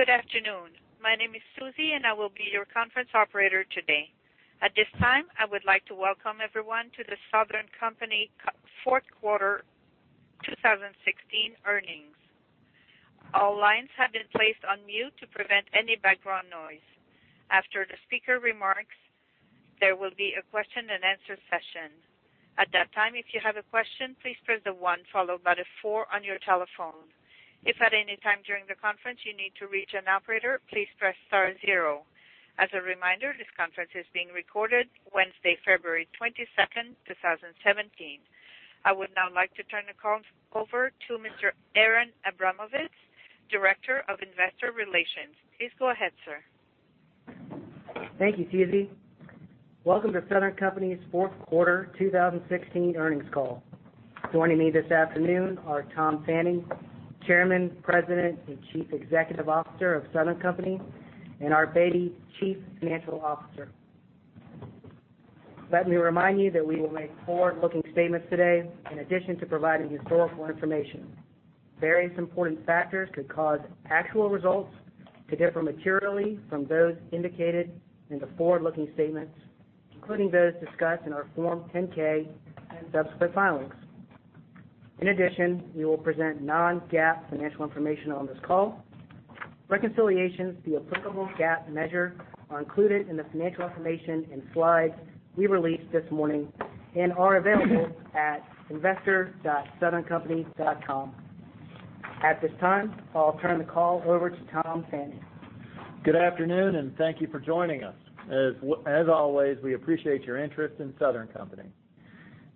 Good afternoon. My name is Susie, and I will be your conference operator today. At this time, I would like to welcome everyone to The Southern Company fourth quarter 2016 earnings. All lines have been placed on mute to prevent any background noise. After the speaker remarks, there will be a question and answer session. At that time, if you have a question, please press the one followed by the four on your telephone. If at any time during the conference you need to reach an operator, please press star zero. As a reminder, this conference is being recorded Wednesday, February 22nd, 2017. I would now like to turn the call over to Mr. Aaron Abramovitz, Director of Investor Relations. Please go ahead, sir. Thank you, Susie. Welcome to Southern Company's fourth quarter 2016 earnings call. Joining me this afternoon are Tom Fanning, Chairman, President, and Chief Executive Officer of Southern Company, and Art Beattie, Chief Financial Officer. Let me remind you that we will make forward-looking statements today in addition to providing historical information. Various important factors could cause actual results to differ materially from those indicated in the forward-looking statements, including those discussed in our Form 10-K and subsequent filings. In addition, we will present non-GAAP financial information on this call. Reconciliations to the applicable GAAP measure are included in the financial information and slides we released this morning and are available at investor.southerncompany.com. At this time, I will turn the call over to Tom Fanning. Good afternoon, and thank you for joining us. As always, we appreciate your interest in Southern Company.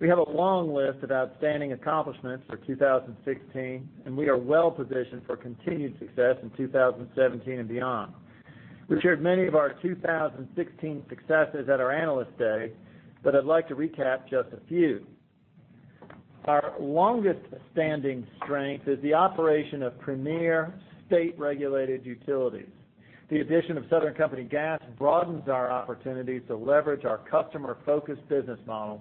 We have a long list of outstanding accomplishments for 2016, and we are well-positioned for continued success in 2017 and beyond. We shared many of our 2016 successes at our Analyst Day. I would like to recap just a few. Our longest-standing strength is the operation of premier state-regulated utilities. The addition of Southern Company Gas broadens our opportunity to leverage our customer-focused business model,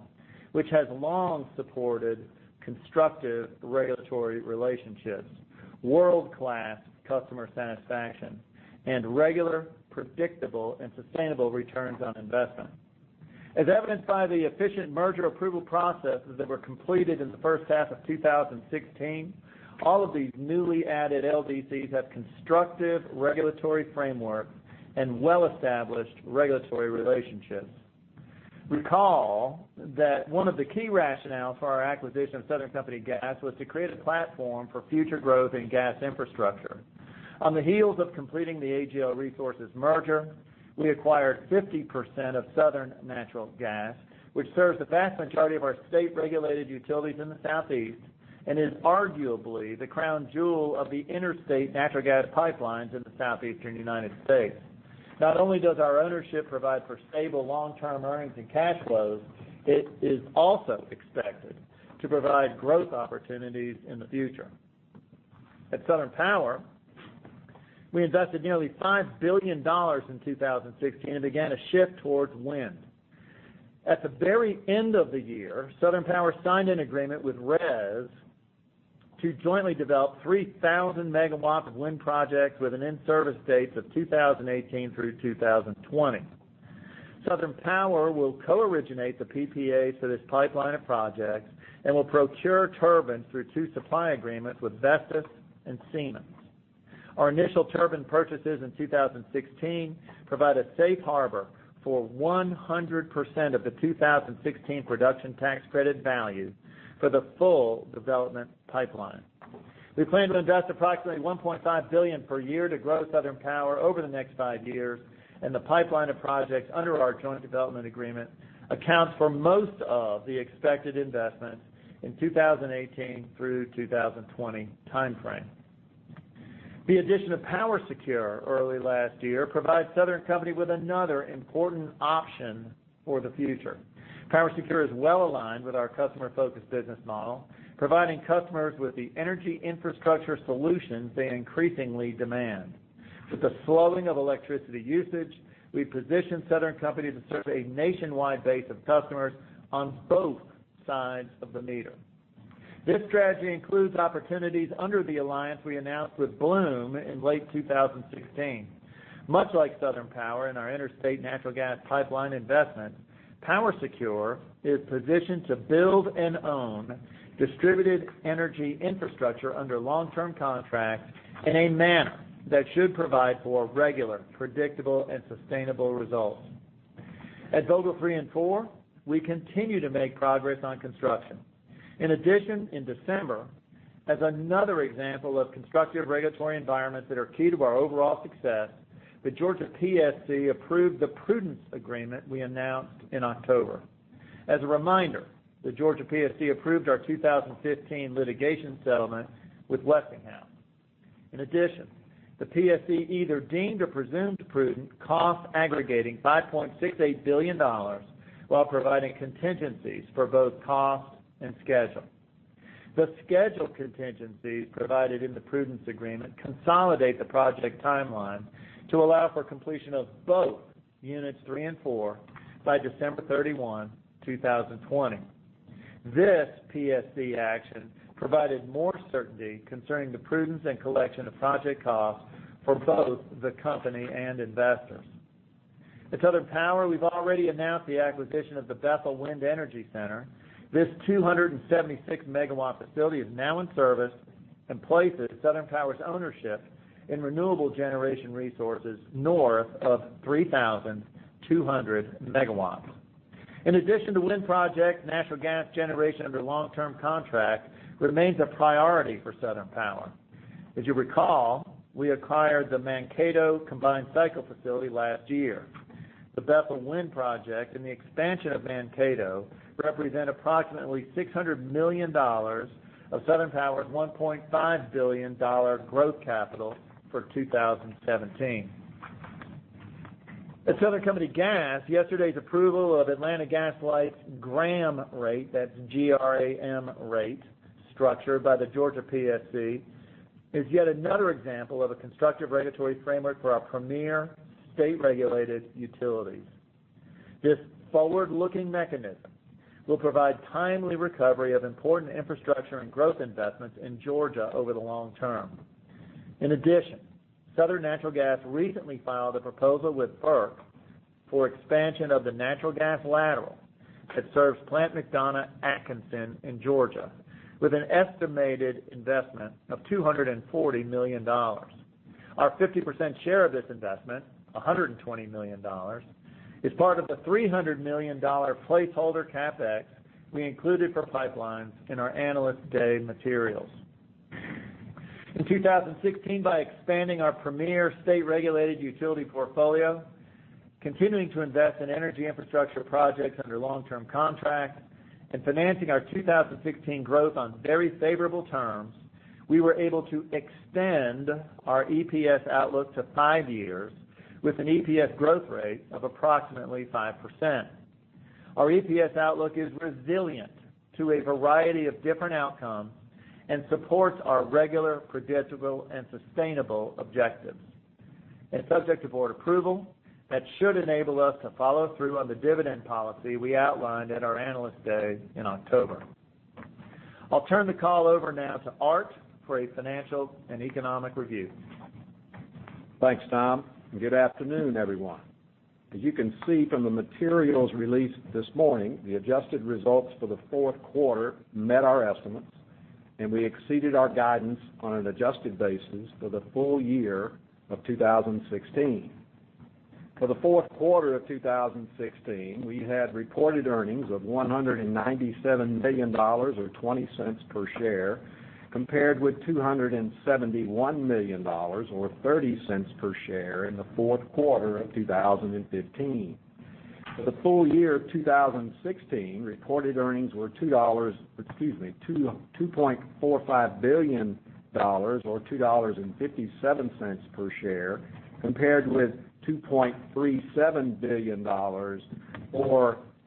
which has long supported constructive regulatory relationships, world-class customer satisfaction, and regular, predictable, and sustainable returns on investment. As evidenced by the efficient merger approval processes that were completed in the first half of 2016, all of these newly added LDCs have constructive regulatory framework and well-established regulatory relationships. Recall that one of the key rationales for our acquisition of Southern Company Gas was to create a platform for future growth in gas infrastructure. On the heels of completing the AGL Resources merger, we acquired 50% of Southern Natural Gas, which serves the vast majority of our state-regulated utilities in the Southeast and is arguably the crown jewel of the interstate natural gas pipelines in the southeastern United States. Not only does our ownership provide for stable long-term earnings and cash flows, it is also expected to provide growth opportunities in the future. At Southern Power, we invested nearly $5 billion in 2016 and began a shift towards wind. At the very end of the year, Southern Power signed an agreement with RES to jointly develop 3,000 megawatts of wind projects with an in-service date of 2018 through 2020. Southern Power will co-originate the PPAs for this pipeline of projects and will procure turbines through two supply agreements with Vestas and Siemens. Our initial turbine purchases in 2016 provide a safe harbor for 100% of the 2016 production tax credit value for the full development pipeline. We plan to invest approximately $1.5 billion per year to grow Southern Power over the next five years, and the pipeline of projects under our joint development agreement accounts for most of the expected investment in 2018 through 2020 timeframe. The addition of PowerSecure early last year provides Southern Company with another important option for the future. PowerSecure is well-aligned with our customer-focused business model, providing customers with the energy infrastructure solutions they increasingly demand. With the slowing of electricity usage, we position Southern Company to serve a nationwide base of customers on both sides of the meter. This strategy includes opportunities under the alliance we announced with Bloom in late 2016. Much like Southern Power and our interstate natural gas pipeline investment, PowerSecure is positioned to build and own distributed energy infrastructure under long-term contracts in a manner that should provide for regular, predictable, and sustainable results. At Vogtle 3 and 4, we continue to make progress on construction. In December, as another example of constructive regulatory environments that are key to our overall success, the Georgia PSC approved the prudence agreement we announced in October. As a reminder, the Georgia PSC approved our 2015 litigation settlement with Westinghouse. The PSC either deemed or presumed prudent costs aggregating $5.68 billion while providing contingencies for both cost and schedule. The schedule contingencies provided in the prudence agreement consolidate the project timeline to allow for completion of both units 3 and 4 by December 31, 2020. This PSC action provided more certainty concerning the prudence and collection of project costs for both the company and investors. At Southern Power, we've already announced the acquisition of the Bethel Wind Energy Center. This 276 MW facility is now in service and places Southern Power's ownership in renewable generation resources north of 3,200 MW. In addition to wind projects, natural gas generation under long-term contract remains a priority for Southern Power. As you recall, we acquired the Mankato combined cycle facility last year. The Bethel Wind project and the expansion of Mankato represent approximately $600 million of Southern Power's $1.5 billion growth capital for 2017. At Southern Company Gas, yesterday's approval of Atlanta Gas Light's GRAM rate, that's G-R-A-M rate, structure by the Georgia PSC, is yet another example of a constructive regulatory framework for our premier state-regulated utilities. This forward-looking mechanism will provide timely recovery of important infrastructure and growth investments in Georgia over the long term. In addition, Southern Natural Gas recently filed a proposal with FERC for expansion of the natural gas lateral that serves Plant McDonough Atkinson in Georgia with an estimated investment of $240 million. Our 50% share of this investment, $120 million, is part of the $300 million placeholder CapEx we included for pipelines in our Analyst Day materials. In 2016, by expanding our premier state-regulated utility portfolio, continuing to invest in energy infrastructure projects under long-term contract, and financing our 2016 growth on very favorable terms, we were able to extend our EPS outlook to five years with an EPS growth rate of approximately 5%. Our EPS outlook is resilient to a variety of different outcomes and supports our regular, predictable, and sustainable objectives. Subject to board approval, that should enable us to follow through on the dividend policy we outlined at our Analyst Day in October. I'll turn the call over now to Art for a financial and economic review. Thanks, Tom, and good afternoon, everyone. As you can see from the materials released this morning, the adjusted results for the fourth quarter met our estimates, and we exceeded our guidance on an adjusted basis for the full year of 2016. For the fourth quarter of 2016, we had reported earnings of $197 million, or $0.20 per share, compared with $271 million, or $0.30 per share, in the fourth quarter of 2015. For the full year of 2016, reported earnings were $2.45 billion, or $2.57 per share, compared with $2.37 billion, or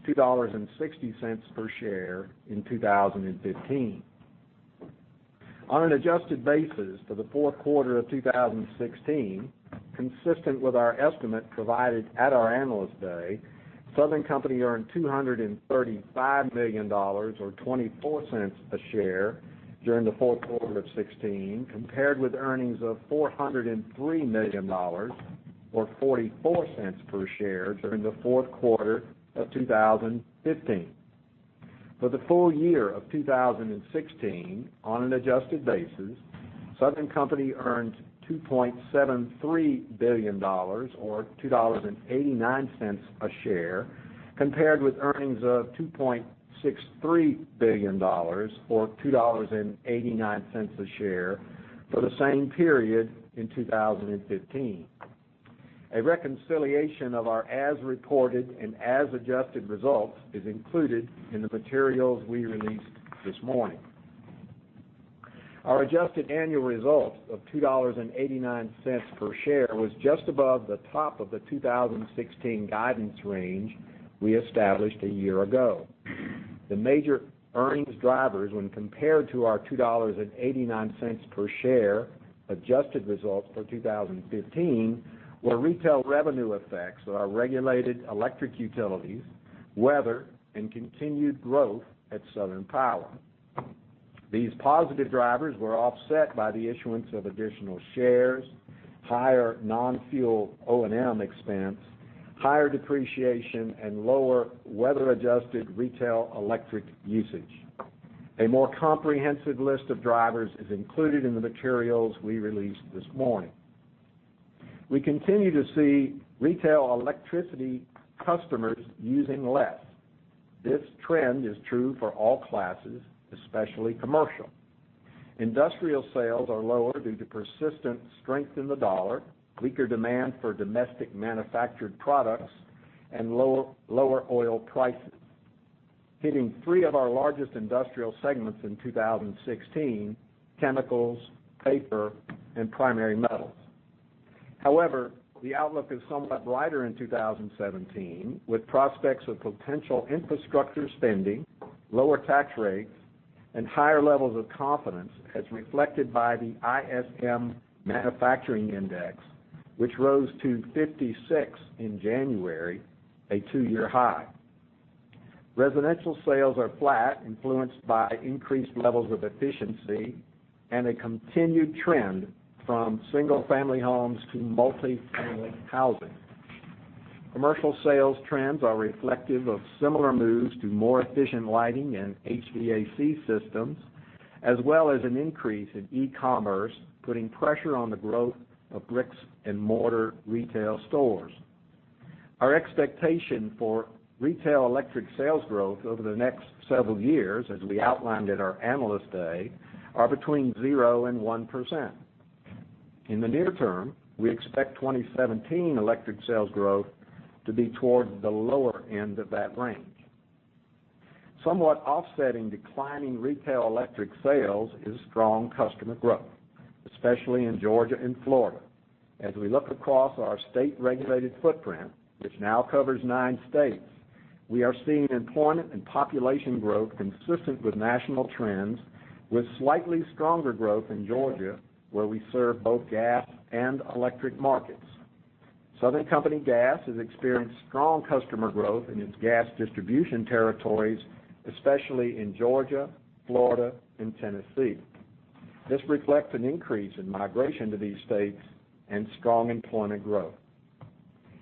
$2.60 per share, in 2015. On an adjusted basis for the fourth quarter of 2016, consistent with our estimate provided at our Analyst Day, Southern Company earned $235 million or $0.24 a share during the fourth quarter of 2016, compared with earnings of $403 million or $0.44 per share during the fourth quarter of 2015. For the full year of 2016, on an adjusted basis, Southern Company earned $2.73 billion, or $2.89 a share, compared with earnings of $2.63 billion or $2.89 a share for the same period in 2015. A reconciliation of our as-reported and as-adjusted results is included in the materials we released this morning. Our adjusted annual results of $2.89 per share was just above the top of the 2016 guidance range we established a year ago. The major earnings drivers when compared to our $2.89 per share adjusted results for 2015 were retail revenue effects of our regulated electric utilities, weather, and continued growth at Southern Power. These positive drivers were offset by the issuance of additional shares, higher non-fuel O&M expense, higher depreciation, and lower weather-adjusted retail electric usage. A more comprehensive list of drivers is included in the materials we released this morning. We continue to see retail electricity customers using less. This trend is true for all classes, especially commercial. Industrial sales are lower due to persistent strength in the dollar, weaker demand for domestic manufactured products, and lower oil prices, hitting three of our largest industrial segments in 2016, chemicals, paper, and primary metals. However, the outlook is somewhat brighter in 2017, with prospects of potential infrastructure spending, lower tax rates and higher levels of confidence as reflected by the ISM Manufacturing Index, which rose to 56 in January, a two-year high. Residential sales are flat, influenced by increased levels of efficiency and a continued trend from single-family homes to multi-family housing. Commercial sales trends are reflective of similar moves to more efficient lighting and HVAC systems, as well as an increase in e-commerce, putting pressure on the growth of bricks-and-mortar retail stores. Our expectation for retail electric sales growth over the next several years, as we outlined at our Analyst Day, are between 0%-1%. In the near term, we expect 2017 electric sales growth to be towards the lower end of that range. Somewhat offsetting declining retail electric sales is strong customer growth, especially in Georgia and Florida. As we look across our state-regulated footprint, which now covers nine states, we are seeing employment and population growth consistent with national trends, with slightly stronger growth in Georgia, where we serve both gas and electric markets. Southern Company Gas has experienced strong customer growth in its gas distribution territories, especially in Georgia, Florida, and Tennessee. This reflects an increase in migration to these states and strong employment growth.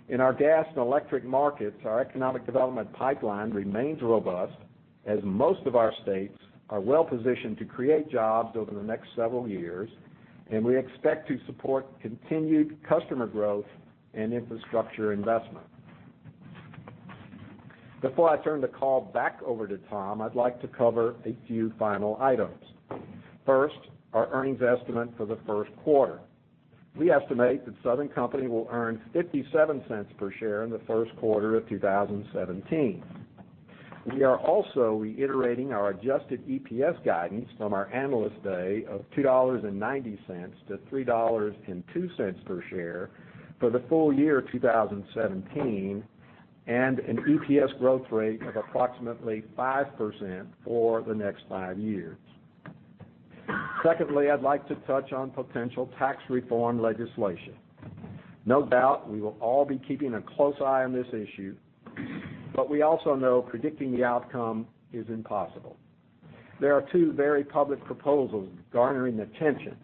In our gas and electric markets, our economic development pipeline remains robust as most of our states are well-positioned to create jobs over the next several years, and we expect to support continued customer growth and infrastructure investment. Before I turn the call back over to Tom, I'd like to cover a few final items. First, our earnings estimate for the first quarter. We estimate that Southern Company will earn $0.57 per share in the first quarter of 2017. We are also reiterating our adjusted EPS guidance from our Analyst Day of $2.90 to $3.02 per share for the full year 2017, and an EPS growth rate of approximately 5% for the next five years. Secondly, I'd like to touch on potential tax reform legislation. No doubt, we will all be keeping a close eye on this issue, but we also know predicting the outcome is impossible. There are two very public proposals garnering attention,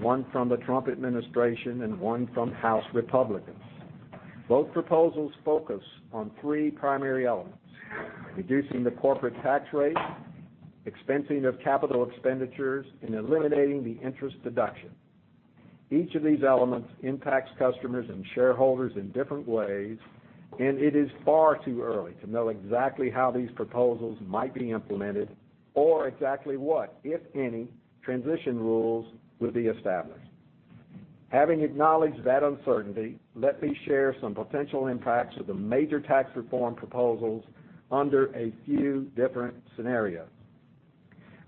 one from the Trump administration and one from House Republicans. Both proposals focus on three primary elements: reducing the corporate tax rate, expensing of capital expenditures, eliminating the interest deduction. Each of these elements impacts customers and shareholders in different ways, and it is far too early to know exactly how these proposals might be implemented or exactly what, if any, transition rules would be established. Having acknowledged that uncertainty, let me share some potential impacts of the major tax reform proposals under a few different scenarios.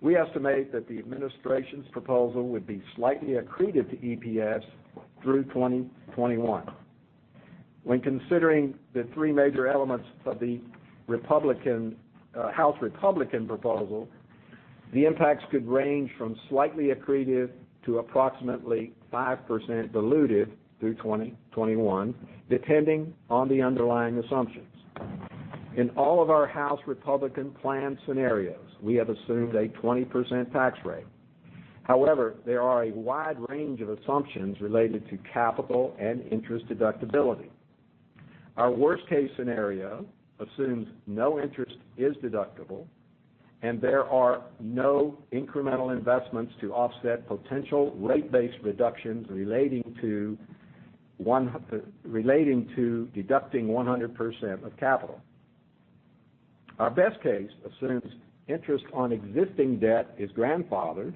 We estimate that the administration's proposal would be slightly accretive to EPS through 2021. When considering the three major elements of the House Republican proposal, the impacts could range from slightly accretive to approximately 5% dilutive through 2021, depending on the underlying assumptions. In all of our House Republican plan scenarios, we have assumed a 20% tax rate. However, there are a wide range of assumptions related to capital and interest deductibility. Our worst-case scenario assumes no interest is deductible and there are no incremental investments to offset potential rate-based reductions relating to deducting 100% of capital. Our best case assumes interest on existing debt is grandfathered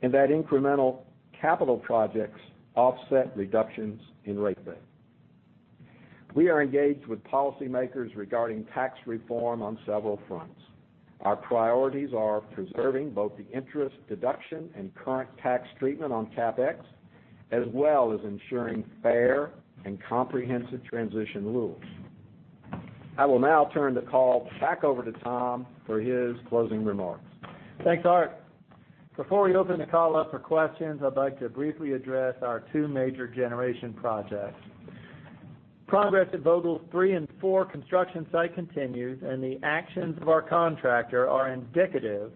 and that incremental capital projects offset reductions in rate base. We are engaged with policymakers regarding tax reform on several fronts. Our priorities are preserving both the interest deduction and current tax treatment on CapEx, as well as ensuring fair and comprehensive transition rules. I will now turn the call back over to Tom for his closing remarks. Thanks, Art. Before we open the call up for questions, I'd like to briefly address our two major generation projects. Progress at Vogtle 3 and 4 construction site continues, and the actions of our contractor are indicative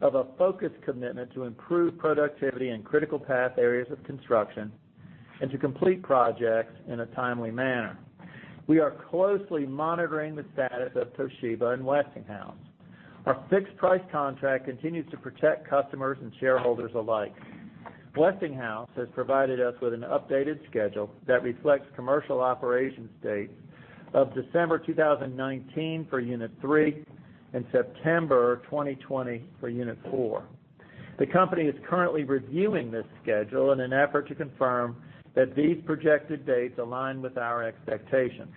of a focused commitment to improve productivity in critical path areas of construction and to complete projects in a timely manner. We are closely monitoring the status of Toshiba and Westinghouse. Our fixed price contract continues to protect customers and shareholders alike. Westinghouse has provided us with an updated schedule that reflects commercial operation date of December 2019 for unit 3 and September 2020 for unit 4. The company is currently reviewing this schedule in an effort to confirm that these projected dates align with our expectations.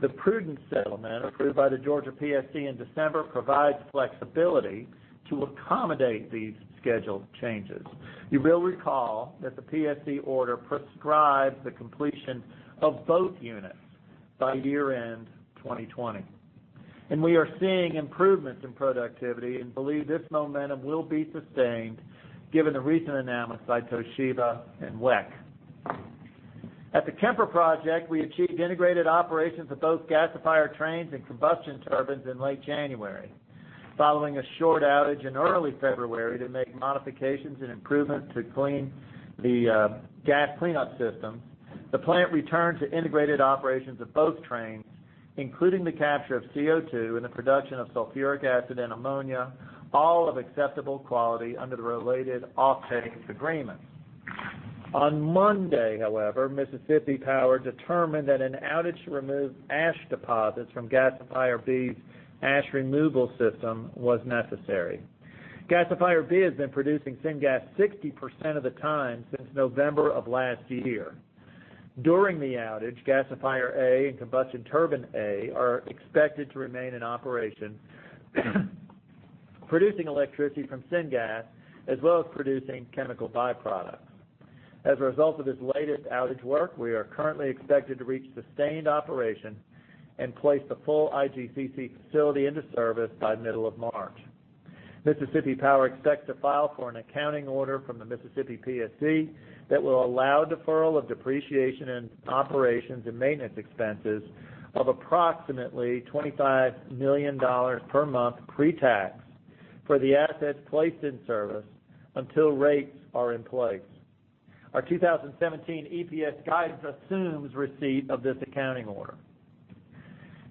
The prudence settlement approved by the Georgia PSC in December provides flexibility to accommodate these scheduled changes. You will recall that the PSC order prescribes the completion of both units by year-end 2020. We are seeing improvements in productivity and believe this momentum will be sustained given the recent announcements by Toshiba and WEC. At the Kemper project, we achieved integrated operations of both gasifier trains and combustion turbines in late January. Following a short outage in early February to make modifications and improvements to clean the gas cleanup system, the plant returned to integrated operations of both trains, including the capture of CO2 and the production of sulfuric acid and ammonia, all of acceptable quality under the related offtake agreement. On Monday, however, Mississippi Power determined that an outage to remove ash deposits from gasifier B's ash removal system was necessary. Gasifier B has been producing syngas 60% of the time since November of last year. During the outage, gasifier A and combustion turbine A are expected to remain in operation, producing electricity from syngas as well as producing chemical byproducts. As a result of this latest outage work, we are currently expected to reach sustained operation and place the full IGCC facility into service by middle of March. Mississippi Power expects to file for an accounting order from the Mississippi PSC that will allow deferral of depreciation and operations and maintenance expenses of approximately $25 million per month pre-tax for the assets placed in service until rates are in place. Our 2017 EPS guidance assumes receipt of this accounting order.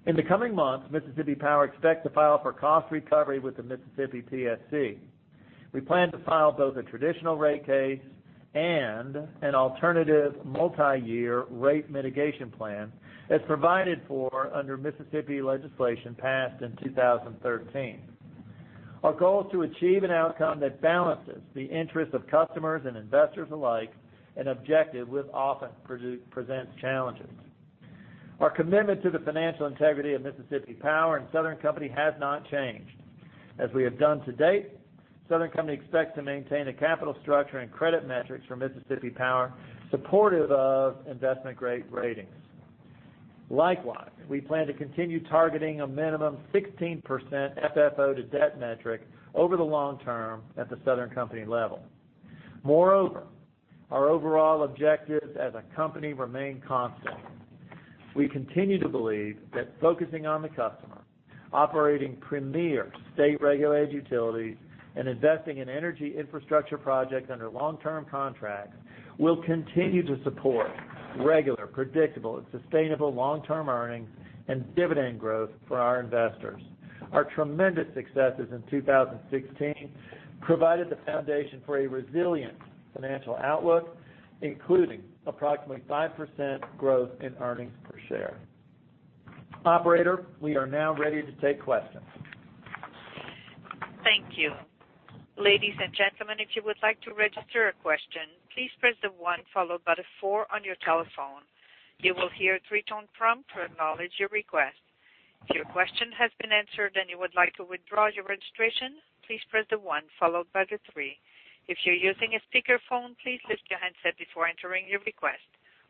In the coming months, Mississippi Power expects to file for cost recovery with the Mississippi PSC. We plan to file both a traditional rate case and an alternative multi-year rate mitigation plan as provided for under Mississippi legislation passed in 2013. Our goal is to achieve an outcome that balances the interests of customers and investors alike, an objective which often presents challenges. Our commitment to the financial integrity of Mississippi Power and Southern Company has not changed. As we have done to date, Southern Company expects to maintain a capital structure and credit metrics for Mississippi Power supportive of investment-grade ratings. Likewise, we plan to continue targeting a minimum 16% FFO to debt metric over the long term at the Southern Company level. Moreover, our overall objectives as a company remain constant. We continue to believe that focusing on the customer, operating premier state-regulated utilities, and investing in energy infrastructure projects under long-term contracts will continue to support regular, predictable, and sustainable long-term earnings and dividend growth for our investors. Our tremendous successes in 2016 provided the foundation for a resilient financial outlook, including approximately 5% growth in earnings per share. Operator, we are now ready to take questions. Thank you. Ladies and gentlemen, if you would like to register a question, please press the one followed by the four on your telephone. You will hear a three-tone prompt to acknowledge your request. If your question has been answered, and you would like to withdraw your registration, please press the one followed by the three. If you're using a speakerphone, please lift your handset before entering your request.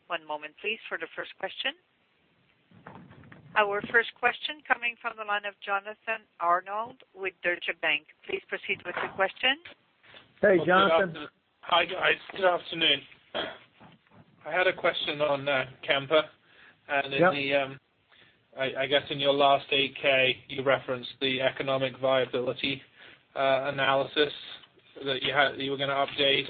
One moment, please, for the first question. Our first question coming from the line of Jonathan Arnold with Deutsche Bank. Please proceed with your question. Hey, Jonathan. Hi, guys. Good afternoon. I had a question on Kemper. Yep. In the, I guess in your last 8-K, you referenced the economic viability analysis that you were going to update.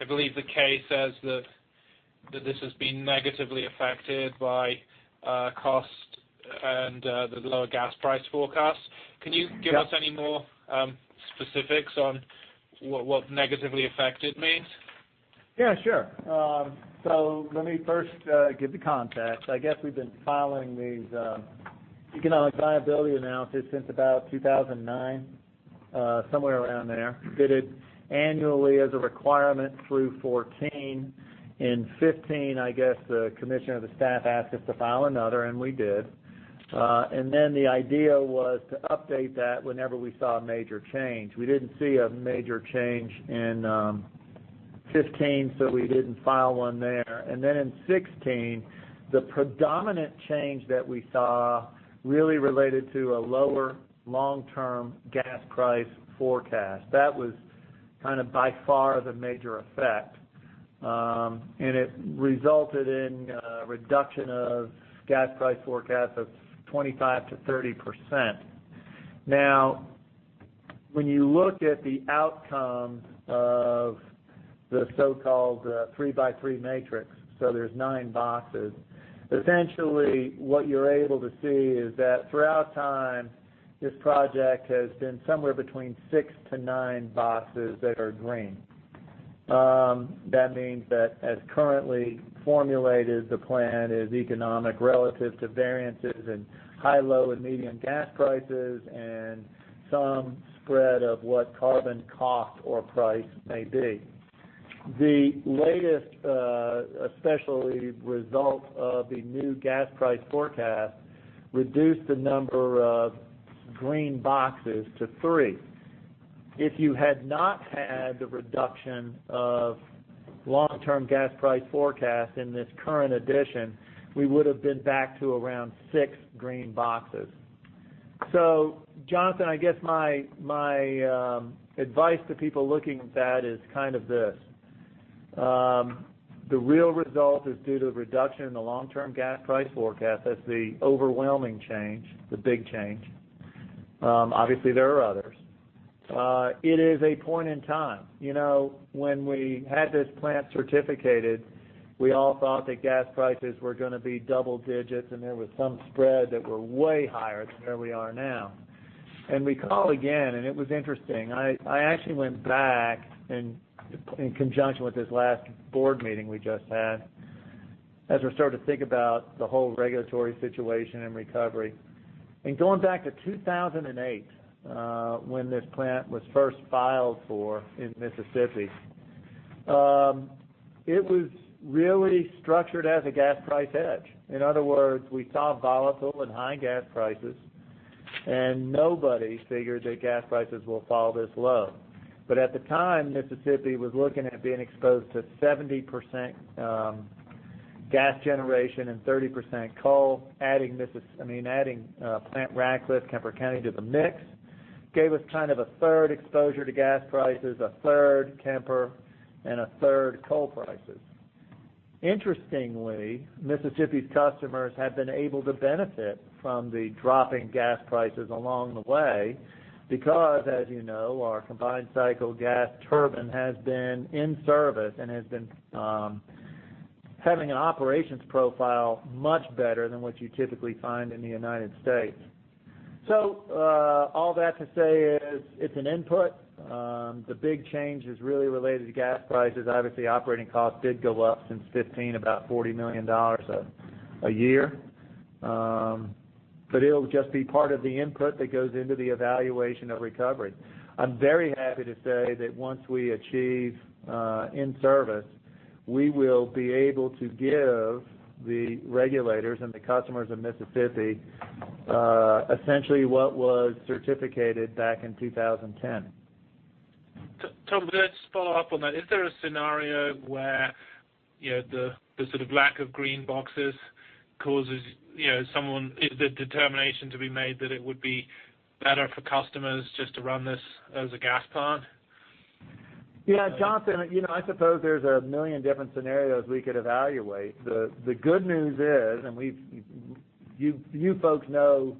I believe the K says that this has been negatively affected by cost and the lower gas price forecast. Can you give us any more specifics on what negatively affected means? Yeah, sure. Let me first give the context. I guess we've been filing these economic viability analysis since about 2009, somewhere around there. Did it annually as a requirement through 2014. In 2015, I guess the commission or the staff asked us to file another, we did. The idea was to update that whenever we saw a major change. We didn't see a major change in 2015, we didn't file one there. In 2016, the predominant change that we saw really related to a lower long-term gas price forecast. That was by far the major effect. It resulted in a reduction of gas price forecast of 25%-30%. When you look at the outcome of the so-called three-by-three matrix, there's nine boxes, essentially, what you're able to see is that throughout time, this project has been somewhere between six to nine boxes that are green. That means that as currently formulated, the plan is economic relative to variances in high, low, and medium gas prices and some spread of what carbon cost or price may be. The latest, especially result of the new gas price forecast, reduced the number of green boxes to three. If you had not had the reduction of long-term gas price forecast in this current edition, we would've been back to around six green boxes. Jonathan, I guess my advice to people looking at that is this. The real result is due to the reduction in the long-term gas price forecast. That's the overwhelming change, the big change. Obviously, there are others. It is a point in time. When we had this plant certificated, we all thought that gas prices were going to be double-digits, and there was some spread that were way higher than where we are now. We call again, and it was interesting. I actually went back in conjunction with this last board meeting we just had, as we started to think about the whole regulatory situation and recovery. Going back to 2008, when this plant was first filed for in Mississippi, it was really structured as a gas price hedge. In other words, we saw volatile and high gas prices, and nobody figured that gas prices will fall this low. At the time, Mississippi was looking at being exposed to 70% gas generation and 30% coal. Adding Kemper County Energy Facility to the mix gave us a third exposure to gas prices, a third Kemper, and a third coal prices. Interestingly, Mississippi's customers have been able to benefit from the dropping gas prices along the way because, as you know, our combined cycle gas turbine has been in service and has been having an operations profile much better than what you typically find in the U.S. All that to say is it's an input. The big change is really related to gas prices. Obviously, operating costs did go up since 2015, about $40 million a year. It'll just be part of the input that goes into the evaluation of recovery. I'm very happy to say that once we achieve in-service, we will be able to give the regulators and the customers of Mississippi essentially what was certificated back in 2010. Tom, can I just follow up on that? Is the determination to be made that it would be better for customers just to run this as a gas plant? Yeah, Jonathan, I suppose there's a million different scenarios we could evaluate. The good news is, you folks know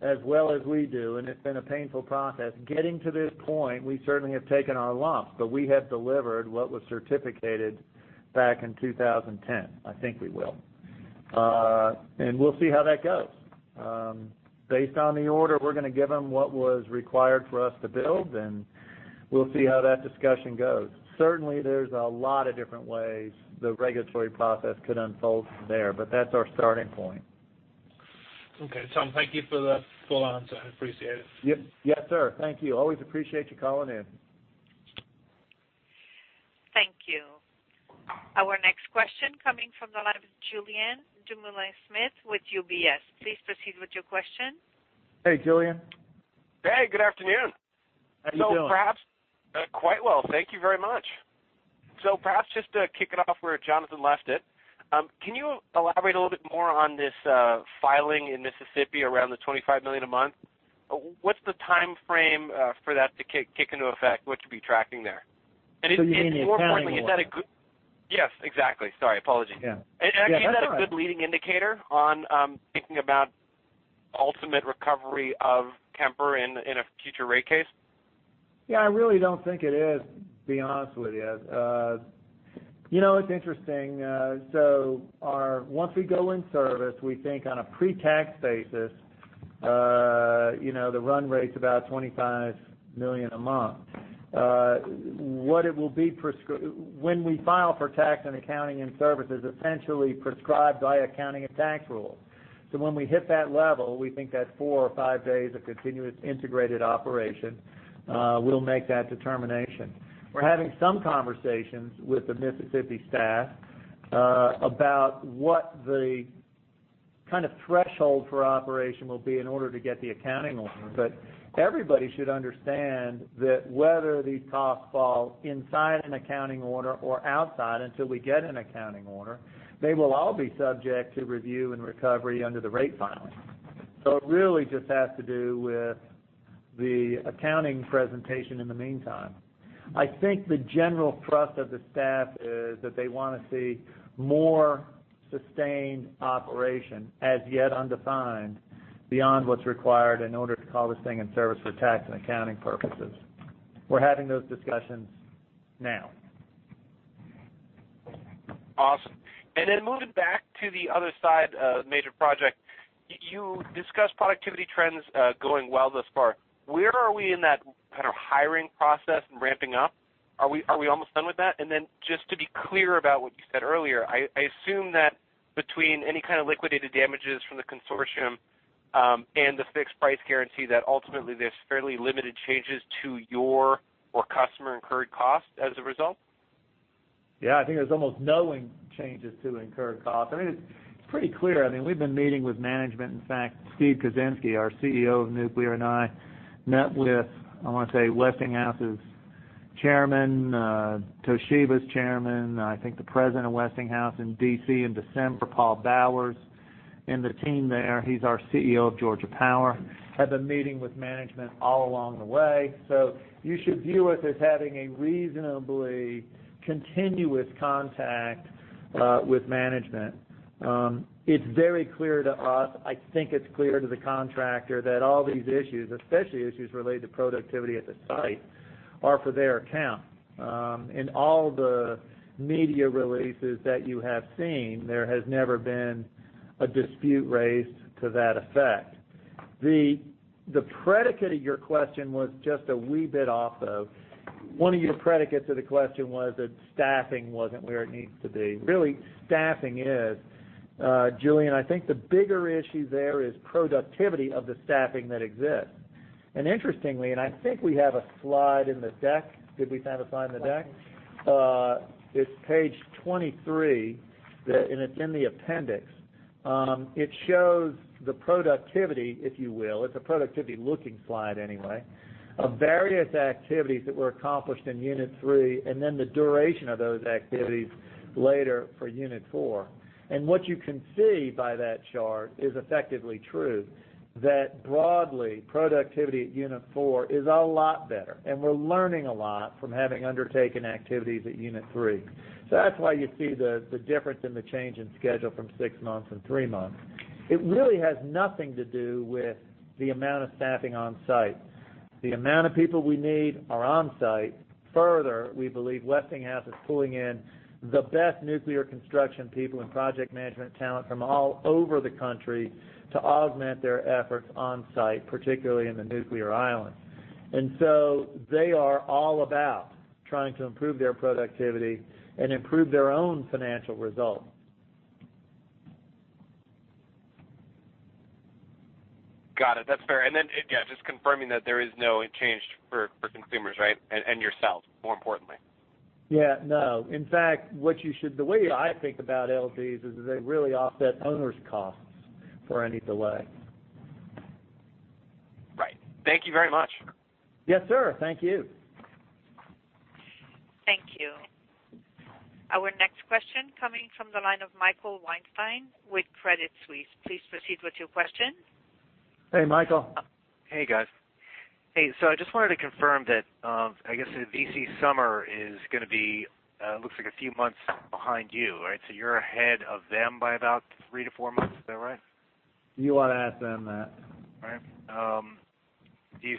as well as we do, and it's been a painful process. Getting to this point, we certainly have taken our lumps, but we have delivered what was certificated back in 2010. I think we will. We'll see how that goes. Based on the order we're going to give them what was required for us to build, and we'll see how that discussion goes. Certainly, there's a lot of different ways the regulatory process could unfold from there, but that's our starting point. Okay, Tom, thank you for the full answer. I appreciate it. Yes, sir. Thank you. Always appreciate you calling in. Thank you. Our next question coming from the line of Julien Dumoulin-Smith with UBS. Please proceed with your question. Hey, Julien. Hey, good afternoon. How you doing? Quite well. Thank you very much. Perhaps just to kick it off where Jonathan left it. Can you elaborate a little bit more on this filing in Mississippi around the $25 million a month? What's the timeframe for that to kick into effect? What should we be tracking there? You mean the accounting order? Yes, exactly. Sorry. Apology. Yeah. No, that's all right. Actually, is that a good leading indicator on thinking about ultimate recovery of Kemper in a future rate case? Yeah, I really don't think it is, to be honest with you. It's interesting. Once we go in service, we think on a pre-tax basis the run rate's about $25 million a month. When we file for tax and accounting and services, essentially prescribed by accounting and tax rules. When we hit that level, we think that four or five days of continuous integrated operation, we'll make that determination. We're having some conversations with the Mississippi staff about what the kind of threshold for operation will be in order to get the accounting order. Everybody should understand that whether these costs fall inside an accounting order or outside until we get an accounting order, they will all be subject to review and recovery under the rate filing. It really just has to do with the accounting presentation in the meantime. I think the general thrust of the staff is that they want to see more sustained operation as yet undefined beyond what is required in order to call this thing in service for tax and accounting purposes. We are having those discussions now. Awesome. Moving back to the other side of the major project. You discussed productivity trends going well thus far. Where are we in that kind of hiring process and ramping up? Are we almost done with that? Just to be clear about what you said earlier, I assume that between any kind of liquidated damages from the consortium and the fixed price guarantee, that ultimately there is fairly limited changes to your or customer-incurred cost as a result? I think there is almost no changes to incurred costs. It is pretty clear. We have been meeting with management. In fact, Steve Kuczynski, our CEO of nuclear, and I met with, I want to say, Westinghouse's chairman, Toshiba's chairman, I think the president of Westinghouse in D.C. in December, Paul Bowers, and the team there. He is our CEO of Georgia Power. Had been meeting with management all along the way. You should view us as having a reasonably continuous contact with management. It is very clear to us, I think it is clear to the contractor, that all these issues, especially issues related to productivity at the site, are for their account. In all the media releases that you have seen, there has never been a dispute raised to that effect. The predicate of your question was just a wee bit off, though. One of your predicates to the question was that staffing was not where it needs to be. Really, staffing is. Julien, I think the bigger issue there is productivity of the staffing that exists. Interestingly, I think we have a slide in the deck. Did we have a slide in the deck? It is page 23, and it is in the appendix. It shows the productivity, if you will. It is a productivity-looking slide anyway, of various activities that were accomplished in Unit 3, then the duration of those activities later for Unit 4. What you can see by that chart is effectively true, that broadly, productivity at Unit 4 is a lot better, and we are learning a lot from having undertaken activities at Unit 3. That is why you see the difference in the change in schedule from 6 months and 3 months. It really has nothing to do with the amount of staffing on-site. The amount of people we need are on-site. We believe Westinghouse is pulling in the best nuclear construction people and project management talent from all over the country to augment their efforts on-site, particularly in the nuclear island. They are all about trying to improve their productivity and improve their own financial results. Got it. That's fair. Just confirming that there is no change for consumers, right? Yourselves, more importantly. Yeah, no. In fact, the way I think about LDs is that they really offset owners' costs for any delay. Right. Thank you very much. Yes, sir. Thank you. Thank you. Our next question coming from the line of Michael Weinstein with Credit Suisse. Please proceed with your question. Hey, Michael. Hey, guys. Hey, I just wanted to confirm that, I guess the V.C. Summer is going to be, looks like a few months behind you, right? You're ahead of them by about three to four months. Is that right? You want to ask them that. All right. You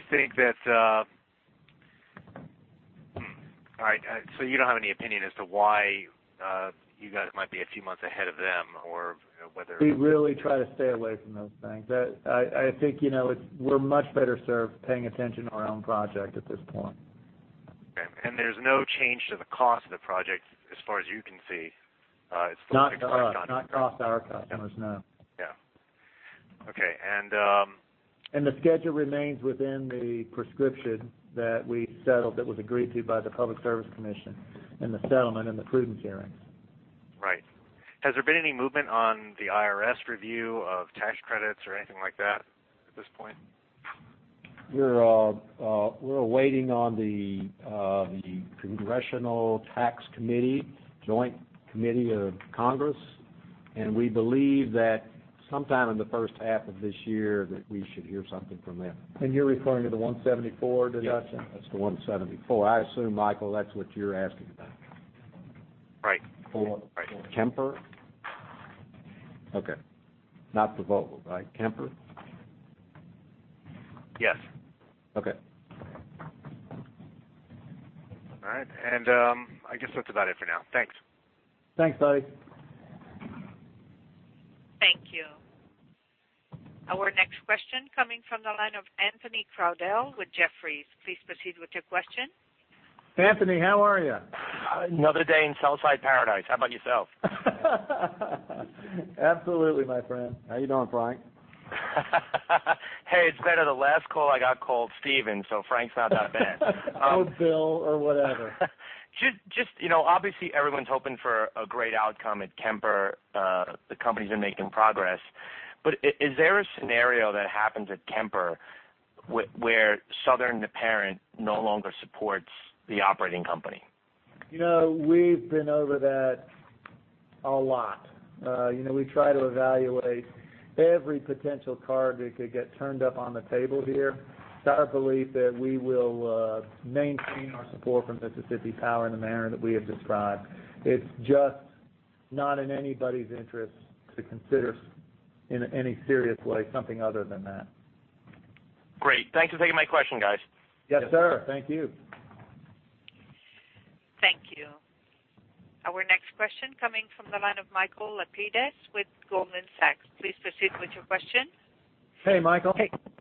don't have any opinion as to why you guys might be a few months ahead of them. We really try to stay away from those things. I think we're much better served paying attention to our own project at this point. Okay, there's no change to the cost of the project as far as you can see? Not to us. Not cost to our customers, no. Yeah. Okay. The schedule remains within the prescription that we settled that was agreed to by the Public Service Commission in the settlement in the prudence hearings. Right. Has there been any movement on the IRS review of tax credits or anything like that at this point? We're waiting on the Congressional Tax Committee, Joint Committee on Taxation, and we believe that sometime in the first half of this year that we should hear something from them. You're referring to the Section 174 deduction? Yes, that's the Section 174. I assume, Michael, that's what you're asking about. Right. For Kemper? Okay. Not for Vogtle, right? Kemper? Yes. Okay. All right. I guess that's about it for now. Thanks. Thanks, buddy. Thank you. Our next question coming from the line of Anthony Crowdell with Jefferies. Please proceed with your question. Anthony, how are you? Another day in Southside paradise. How about yourself? Absolutely, my friend. How you doing, Frank? Hey, it's better. The last call I got called Stephen, so Frank's not that bad. Bill or whatever. Obviously everyone's hoping for a great outcome at Kemper. The company's been making progress. Is there a scenario that happens at Kemper where Southern, the parent, no longer supports the operating company? We've been over that a lot. We try to evaluate every potential card that could get turned up on the table here. It's our belief that we will maintain our support from Mississippi Power in the manner that we have described. It's just not in anybody's interest to consider in any serious way something other than that. Great. Thank you for taking my question, guys. Yes, sir. Thank you. Thank you. Our next question coming from the line of Michael Lapides with Goldman Sachs. Please proceed with your question. Hey, Michael.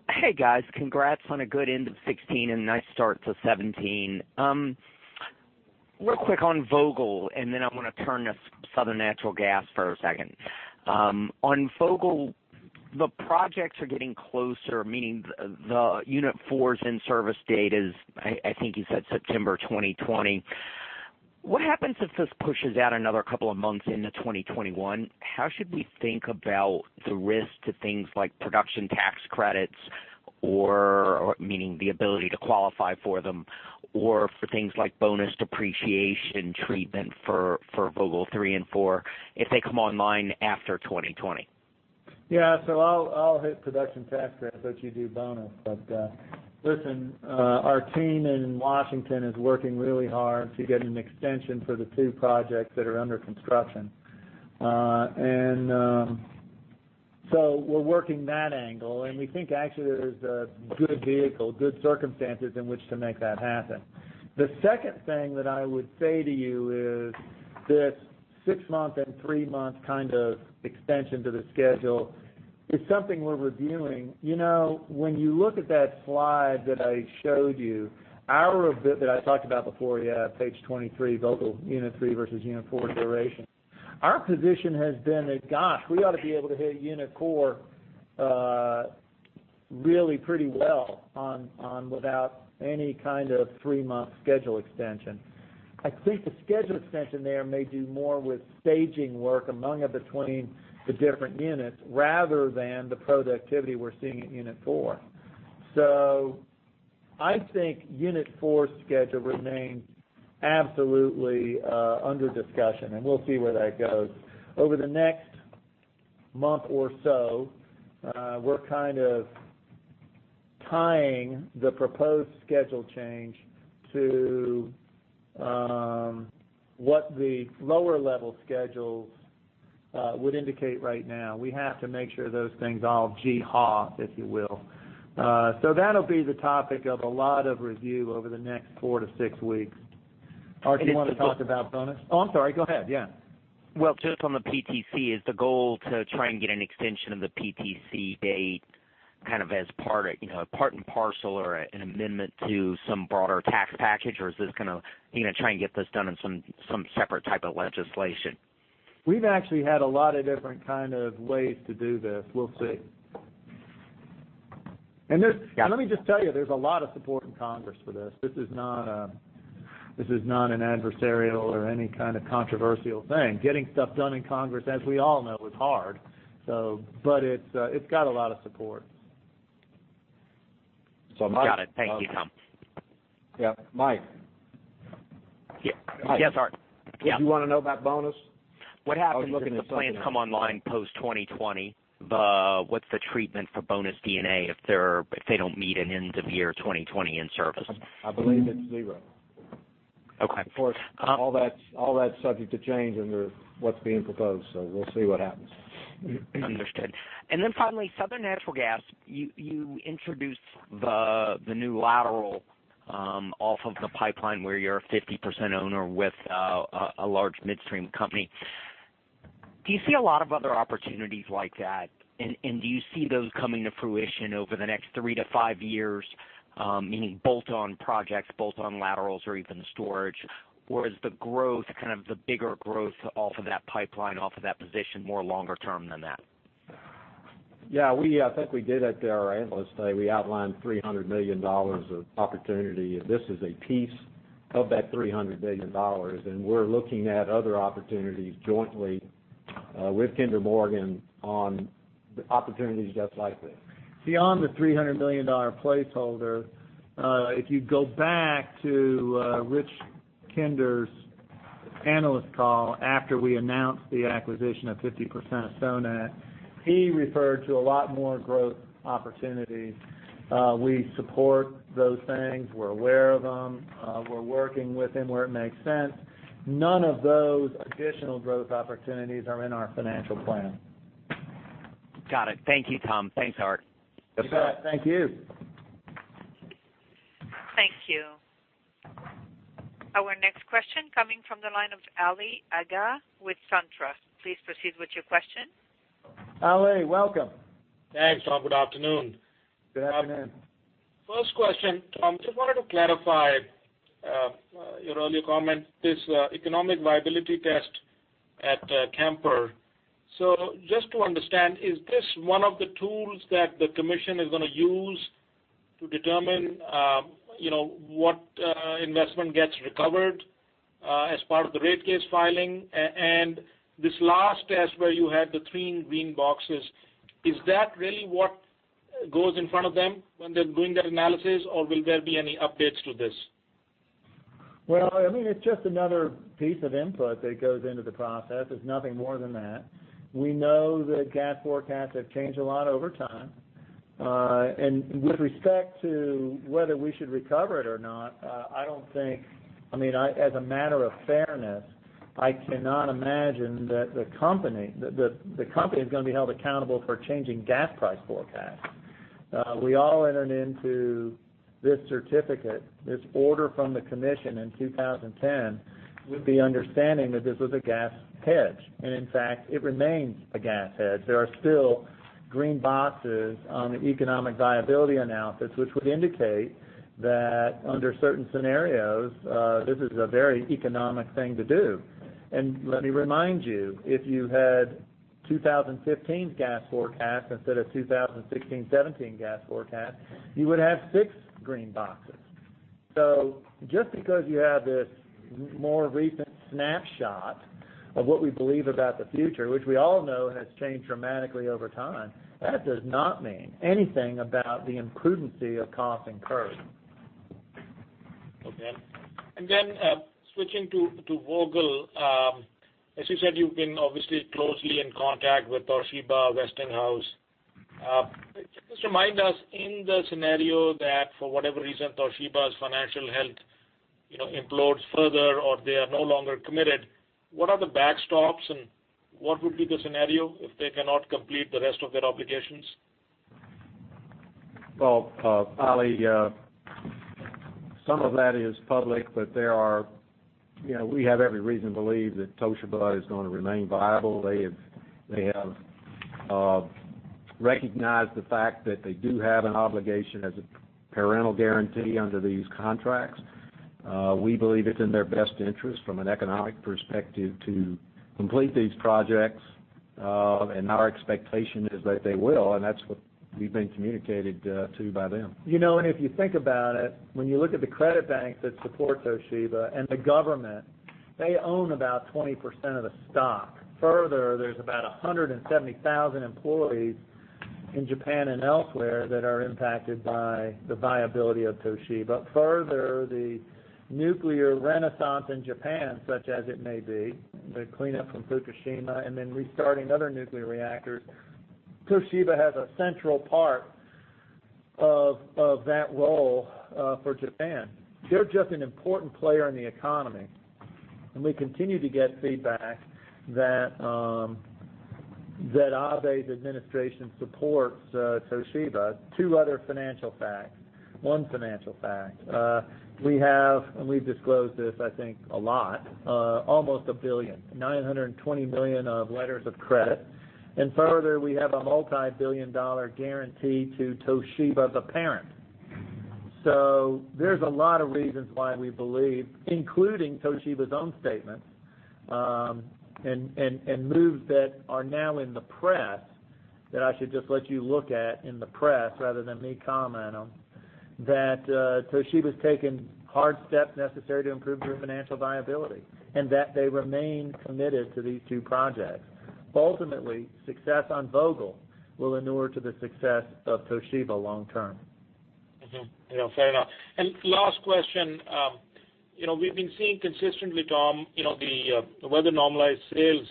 Hey, guys. Congrats on a good end of 2016 and a nice start to 2017. Real quick on Vogtle, and then I want to turn to Southern Natural Gas for a second. On Vogtle. The projects are getting closer, meaning the Unit 4's in-service date is, I think you said September 2020. What happens if this pushes out another couple of months into 2021? How should we think about the risk to things like production tax credits, meaning the ability to qualify for them, or for things like bonus depreciation treatment for Vogtle 3 and 4 if they come online after 2020? I'll hit production tax credits, let you do bonus. Listen, our team in Washington is working really hard to get an extension for the two projects that are under construction. We're working that angle, and we think actually there's a good vehicle, good circumstances in which to make that happen. The second thing that I would say to you is this six-month and three-month kind of extension to the schedule is something we're reviewing. When you look at that slide that I showed you, that I talked about before you have page 23, Vogtle Unit 3 versus Unit 4 duration. Our position has been that, gosh, we ought to be able to hit Unit 4 really pretty well on without any kind of three-month schedule extension. I think the schedule extension there may do more with staging work among and between the different units, rather than the productivity we're seeing at Unit 4. I think Unit 4's schedule remains absolutely under discussion, and we'll see where that goes. Over the next month or so, we're kind of tying the proposed schedule change to what the lower-level schedules would indicate right now. We have to make sure those things all gee-haw, if you will. That'll be the topic of a lot of review over the next four to six weeks. Art, do you want to talk about bonus? Oh, I'm sorry. Go ahead. Yeah. Well, just on the PTC, is the goal to try and get an extension of the PTC date kind of as part and parcel or an amendment to some broader tax package? Or is this going to try and get this done in some separate type of legislation? We've actually had a lot of different kind of ways to do this. We'll see. And there's- Yeah. Let me just tell you, there's a lot of support in Congress for this. This is not an adversarial or any kind of controversial thing. Getting stuff done in Congress, as we all know, is hard. It's got a lot of support. Got it. Thank you, Tom. Yeah. Mike? Yes, Art. Did you want to know about bonus? What happens if the plants come online post-2020? What's the treatment for bonus D&A if they don't meet an end-of-year 2020 in-service? I believe it's zero. Okay. Of course, all that's subject to change under what's being proposed. We'll see what happens. Understood. Then finally, Southern Natural Gas, you introduced the new lateral off of the pipeline where you're a 50% owner with a large midstream company. Do you see a lot of other opportunities like that? Do you see those coming to fruition over the next three to five years? Meaning bolt-on projects, bolt-on laterals or even storage, or is the growth kind of the bigger growth off of that pipeline, off of that position, more longer term than that? Yeah. I think we did at our Analyst Day, we outlined $300 million of opportunity, and this is a piece of that $300 million. We're looking at other opportunities jointly with Kinder Morgan on opportunities just like this. Beyond the $300 million placeholder, if you go back to Rich Kinder's analyst call after we announced the acquisition of 50% of Sonat, he referred to a lot more growth opportunities. We support those things. We're aware of them. We're working with him where it makes sense. None of those additional growth opportunities are in our financial plan. Got it. Thank you, Tom. Thanks, Art. You bet. Thank you. Thank you. Our next question coming from the line of Ali Agha with SunTrust. Please proceed with your question. Ali, welcome. Thanks. Good afternoon. Good afternoon. First question, Tom, just wanted to clarify your earlier comment, this economic viability test at Kemper. Just to understand, is this one of the tools that the commission is going to use to determine what investment gets recovered as part of the rate case filing? This last test where you had the three green boxes, is that really what goes in front of them when they're doing their analysis, or will there be any updates to this? Well, it's just another piece of input that goes into the process. It's nothing more than that. We know that gas forecasts have changed a lot over time. With respect to whether we should recover it or not, as a matter of fairness, I cannot imagine that the company is going to be held accountable for changing gas price forecasts. We all entered into this certificate, this order from the commission in 2010, with the understanding that this was a gas hedge, and in fact, it remains a gas hedge. There are still green boxes on the economic viability analysis, which would indicate that under certain scenarios, this is a very economic thing to do. Let me remind you, if you had 2015's gas forecast instead of 2016-'17 gas forecast, you would have six green boxes. Just because you have this more recent snapshot of what we believe about the future, which we all know has changed dramatically over time, that does not mean anything about the imprudence of costs incurred. Okay. Then switching to Vogtle. As you said, you've been obviously closely in contact with Toshiba, Westinghouse. Just remind me in the scenario that for whatever reason, Toshiba's financial health implodes further or they are no longer committed, what are the backstops and what would be the scenario if they cannot complete the rest of their obligations? Well, Ali, some of that is public. We have every reason to believe that Toshiba is going to remain viable. They have recognized the fact that they do have an obligation as a parental guarantee under these contracts. We believe it's in their best interest from an economic perspective to complete these projects. Our expectation is that they will, and that's what we've been communicated to by them. If you think about it, when you look at the credit banks that support Toshiba and the government, they own about 20% of the stock. Further, there's about 170,000 employees in Japan and elsewhere that are impacted by the viability of Toshiba. Further, the nuclear renaissance in Japan, such as it may be, the cleanup from Fukushima, and then restarting other nuclear reactors, Toshiba has a central part of that role for Japan. They're just an important player in the economy. We continue to get feedback that Abe's administration supports Toshiba. Two other financial facts. One financial fact. We have, and we've disclosed this, I think, a lot, almost $1 billion, $920 million of letters of credit. Further, we have a multi-billion dollar guarantee to Toshiba, the parent. There's a lot of reasons why we believe, including Toshiba's own statements, and moves that are now in the press, that I should just let you look at in the press rather than me comment on, that Toshiba's taken hard steps necessary to improve their financial viability, and that they remain committed to these two projects. Ultimately, success on Vogtle will inure to the success of Toshiba long term. Mm-hmm. Fair enough. Last question. We've been seeing consistently, Tom, the weather-normalized sales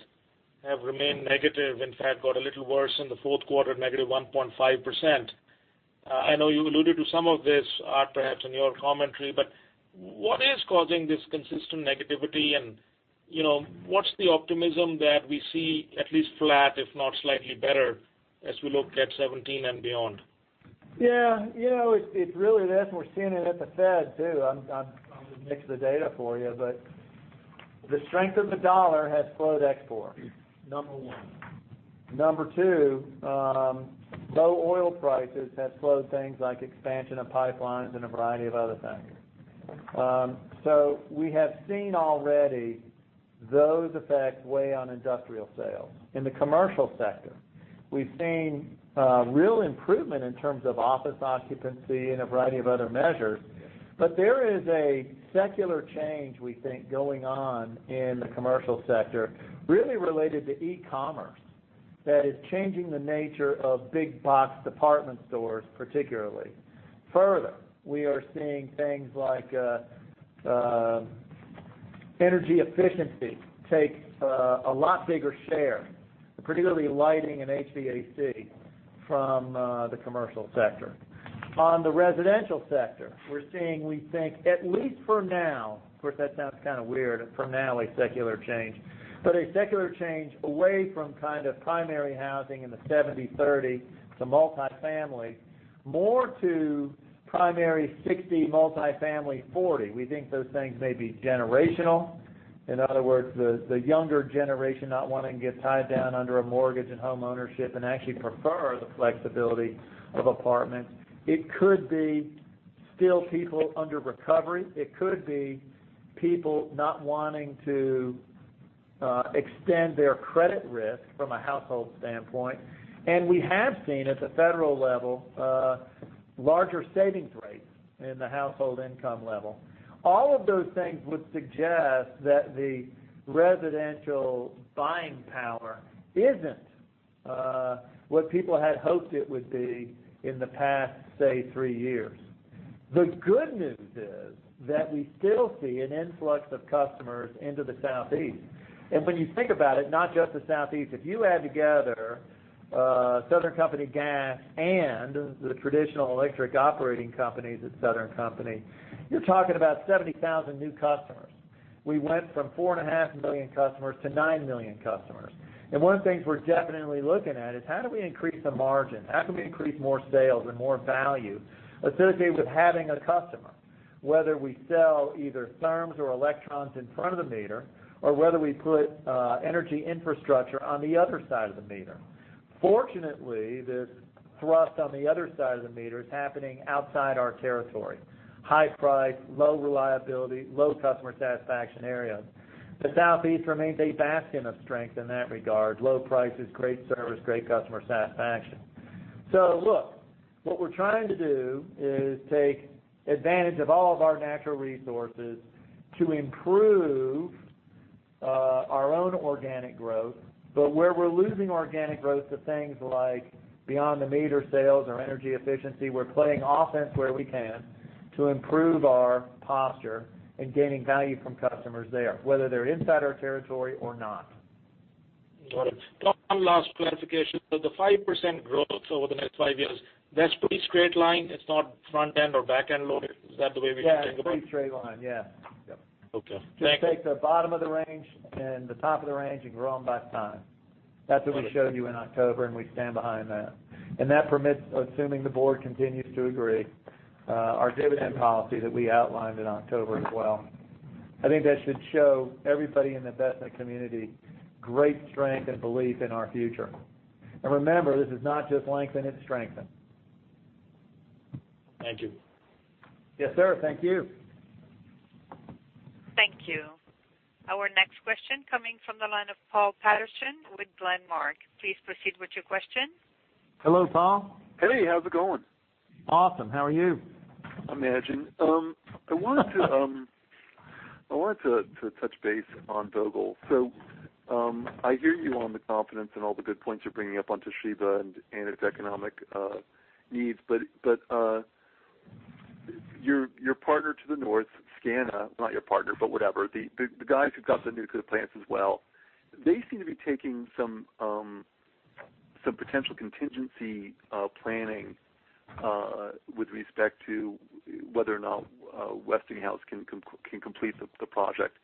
have remained negative, in fact, got a little worse in the fourth quarter, negative 1.5%. I know you alluded to some of this, Art, perhaps in your commentary. What is causing this consistent negativity? What's the optimism that we see at least flat, if not slightly better, as we look at 2017 and beyond? Yeah. We're seeing it at the Fed, too. I'll just mix the data for you, the strength of the dollar has slowed export, number one. Number two, low oil prices have slowed things like expansion of pipelines and a variety of other things. We have seen already those effects weigh on industrial sales. In the commercial sector, we've seen a real improvement in terms of office occupancy and a variety of other measures. Yes. There is a secular change we think going on in the commercial sector, really related to e-commerce that is changing the nature of big box department stores, particularly. Further, we are seeing things like energy efficiency take a lot bigger share, particularly lighting and HVAC from the commercial sector. On the residential sector, we're seeing, we think, at least for now, of course, that sounds kind of weird, for now, a secular change. A secular change away from kind of primary housing in the 70/30 to multifamily, more to primary 60, multifamily 40. We think those things may be generational. In other words, the younger generation not wanting to get tied down under a mortgage and home ownership and actually prefer the flexibility of apartments. It could be still people under recovery. It could be people not wanting to extend their credit risk from a household standpoint. We have seen at the federal level, larger savings rates in the household income level. All of those things would suggest that the residential buying power isn't what people had hoped it would be in the past, say, three years. The good news is that we still see an influx of customers into the Southeast. When you think about it, not just the Southeast. If you add together Southern Company Gas and the traditional electric operating companies at Southern Company, you're talking about 70,000 new customers. We went from four and a half million customers to nine million customers. One of the things we're definitely looking at is how do we increase the margin? How do we increase more sales and more value associated with having a customer? Whether we sell either therms or electrons in front of the meter, or whether we put energy infrastructure on the other side of the meter. Fortunately, this thrust on the other side of the meter is happening outside our territory. High price, low reliability, low customer satisfaction areas. The Southeast remains a bastion of strength in that regard. Low prices, great service, great customer satisfaction. Look, what we're trying to do is take advantage of all of our natural resources to improve our own organic growth. Where we're losing organic growth to things like beyond the meter sales or energy efficiency, we're playing offense where we can to improve our posture and gaining value from customers there, whether they're inside our territory or not. Got it. Tom, last clarification. The 5% growth over the next five years, that's pretty straight line. It's not front-end or back-end loaded. Is that the way we should think about it? Yeah, it's pretty straight line. Yeah. Yep. Okay. Thank you. Just take the bottom of the range and the top of the range and grow them by time. That's what we showed you in October, and we stand behind that. That permits, assuming the board continues to agree, our dividend policy that we outlined in October as well. I think that should show everybody in the investment community great strength and belief in our future. Remember, this is not just lengthen, it's strengthen. Thank you. Yes, sir. Thank you. Thank you. Our next question coming from the line of Paul Patterson with Glenrock. Please proceed with your question. Hello, Paul. Hey, how's it going? Awesome. How are you? Imagine. I wanted to touch base on Vogtle. I hear you on the confidence and all the good points you're bringing up on Toshiba and its economic needs. Your partner to the north, SCANA, not your partner, but whatever, the guys who've got the nuclear plants as well, they seem to be taking some potential contingency planning, with respect to whether or not Westinghouse can complete the project,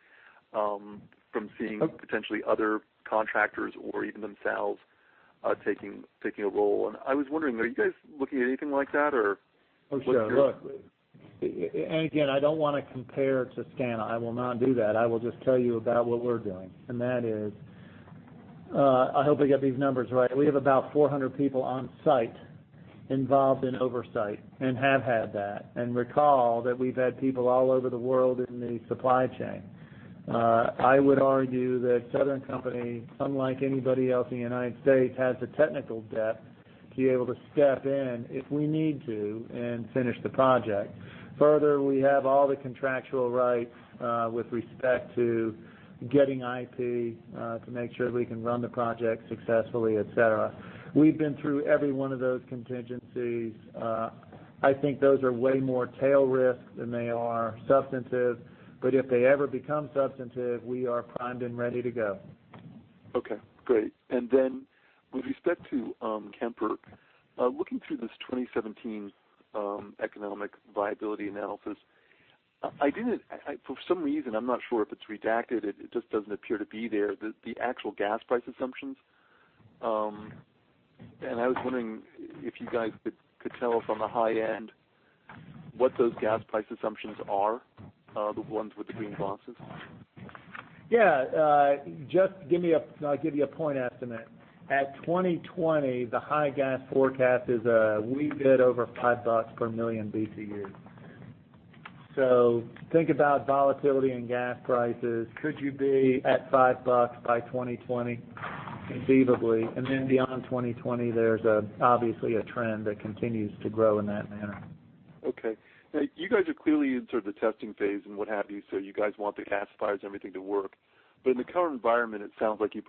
from seeing potentially other contractors or even themselves taking a role. I was wondering, are you guys looking at anything like that, or what's your- Oh, sure. Look, again, I don't want to compare to SCANA. I will not do that. I will just tell you about what we're doing. That is, I hope I get these numbers right. We have about 400 people on site involved in oversight and have had that. Recall that we've had people all over the world in the supply chain. I would argue that Southern Company, unlike anybody else in the United States, has the technical depth to be able to step in if we need to, and finish the project. Further, we have all the contractual rights, with respect to getting IP, to make sure that we can run the project successfully, et cetera. We've been through every one of those contingencies. I think those are way more tail risk than they are substantive, but if they ever become substantive, we are primed and ready to go. Okay, great. With respect to Kemper, looking through this 2017 economic viability analysis, for some reason, I'm not sure if it's redacted, it just doesn't appear to be there, the actual gas price assumptions. I was wondering if you guys could tell us on the high end what those gas price assumptions are, the ones with the green boxes. Yeah. I'll give you a point estimate. At 2020, the high gas forecast is a wee bit over $5 per million BTU. Think about volatility in gas prices. Could you be at $5 by 2020? Conceivably. Beyond 2020, there's obviously a trend that continues to grow in that manner. Okay. You guys are clearly in sort of the testing phase and what have you guys want the gasifiers and everything to work. In the current environment, it sounds like it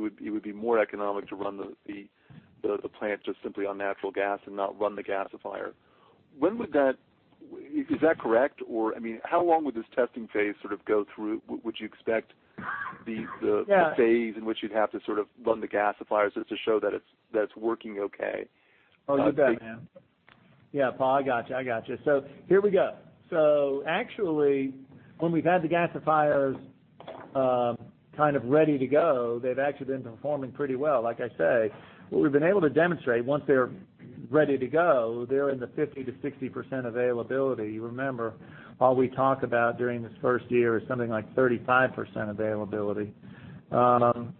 would be more economic to run the plant just simply on natural gas and not run the gasifier. Is that correct? How long would this testing phase sort of go through? Would you expect the phase in which you'd have to sort of run the gasifiers just to show that it's working okay? You bet, man. Yeah, Paul, I got you. Here we go. Actually, when we've had the gasifiers kind of ready to go, they've actually been performing pretty well. Like I say, what we've been able to demonstrate once they're ready to go, they're in the 50%-60% availability. Remember, all we talk about during this first year is something like 35% availability. Who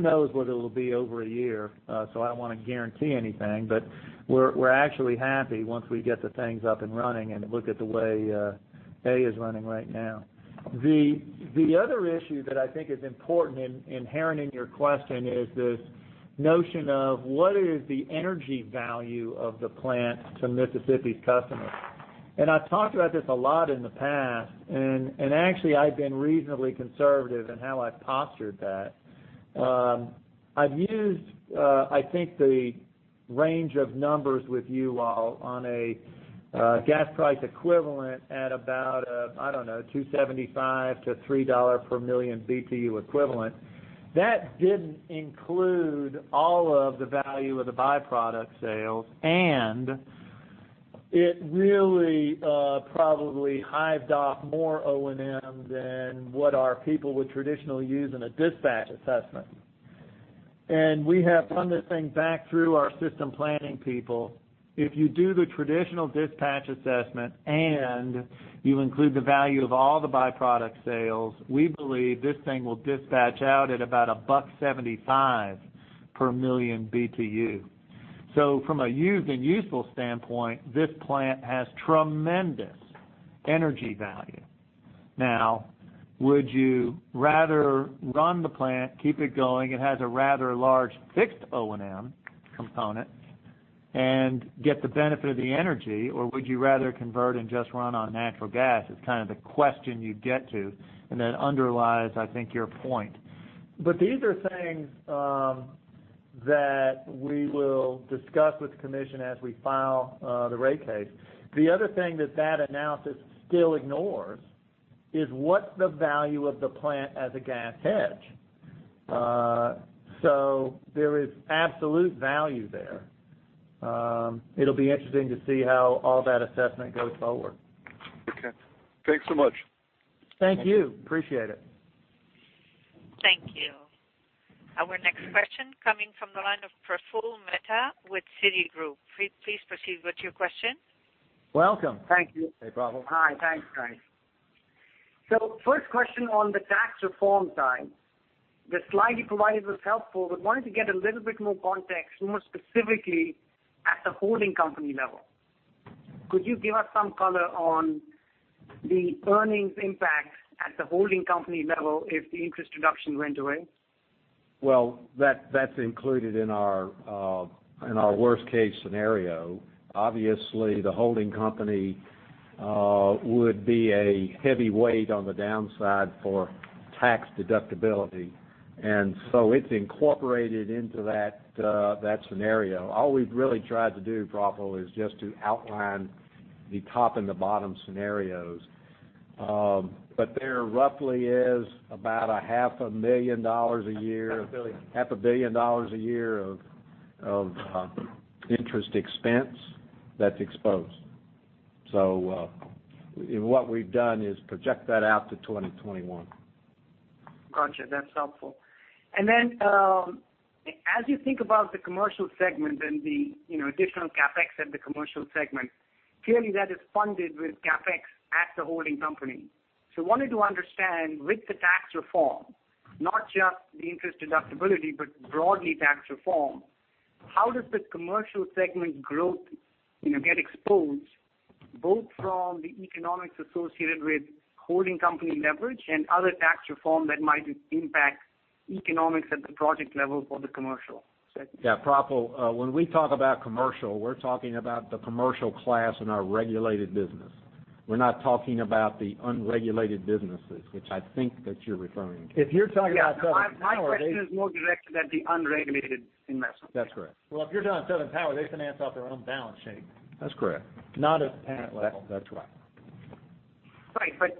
knows what it'll be over a year, so I don't want to guarantee anything. We're actually happy once we get the things up and running and look at the way A is running right now. The other issue that I think is important, inherent in your question, is this notion of what is the energy value of the plant to Mississippi's customers. I've talked about this a lot in the past, and actually, I've been reasonably conservative in how I've postured that. I've used, I think the range of numbers with you all on a gas price equivalent at about, I don't know, $2.75-$3 per million BTU equivalent. That didn't include all of the value of the byproduct sales, and it really probably hived off more O&M than what our people would traditionally use in a dispatch assessment. We have run this thing back through our system planning people. If you do the traditional dispatch assessment and you include the value of all the byproduct sales, we believe this thing will dispatch out at about $1.75 per million BTU. From a used and useful standpoint, this plant has tremendous energy value. Now, would you rather run the plant, keep it going, it has a rather large fixed O&M component, and get the benefit of the energy, or would you rather convert and just run on natural gas? Is the question you'd get to and then underlies, I think, your point. These are things that we will discuss with the commission as we file the rate case. The other thing that that analysis still ignores is what's the value of the plant as a gas hedge. There is absolute value there. It'll be interesting to see how all that assessment goes forward. Okay. Thanks so much. Thank you. Appreciate it. Thank you. Our next question coming from the line of Praful Mehta with Citigroup. Please proceed with your question. Welcome. Thank you. Hey, Praful. Hi. Thanks, guys. First question on the tax reform side. The slide you provided was helpful, but wanted to get a little bit more context, more specifically at the holding company level. Could you give us some color on the earnings impact at the holding company level if the interest deduction went away? That's included in our worst-case scenario. Obviously, the holding company would be a heavy weight on the downside for tax deductibility. It's incorporated into that scenario. All we've really tried to do, Praful, is just to outline the top and the bottom scenarios. There roughly is about a half a million dollars a year- Half a billion half a billion dollars a year of interest expense that's exposed. What we've done is project that out to 2021. Got you. That's helpful. As you think about the commercial segment and the additional CapEx at the commercial segment, clearly that is funded with CapEx at the holding company. Wanted to understand with the tax reform, not just the interest deductibility, but broadly tax reform, how does the commercial segment growth get exposed, both from the economics associated with holding company leverage and other tax reform that might impact economics at the project level for the commercial segment? Yeah, Praful, when we talk about commercial, we're talking about the commercial class in our regulated business. We're not talking about the unregulated businesses, which I think that you're referring to. If you're talking about Southern Power, My question is more directed at the unregulated investments. That's correct. Well, if you're talking about Southern Power, they finance off their own balance sheet. That's correct. Not at parent level. That's right. Right.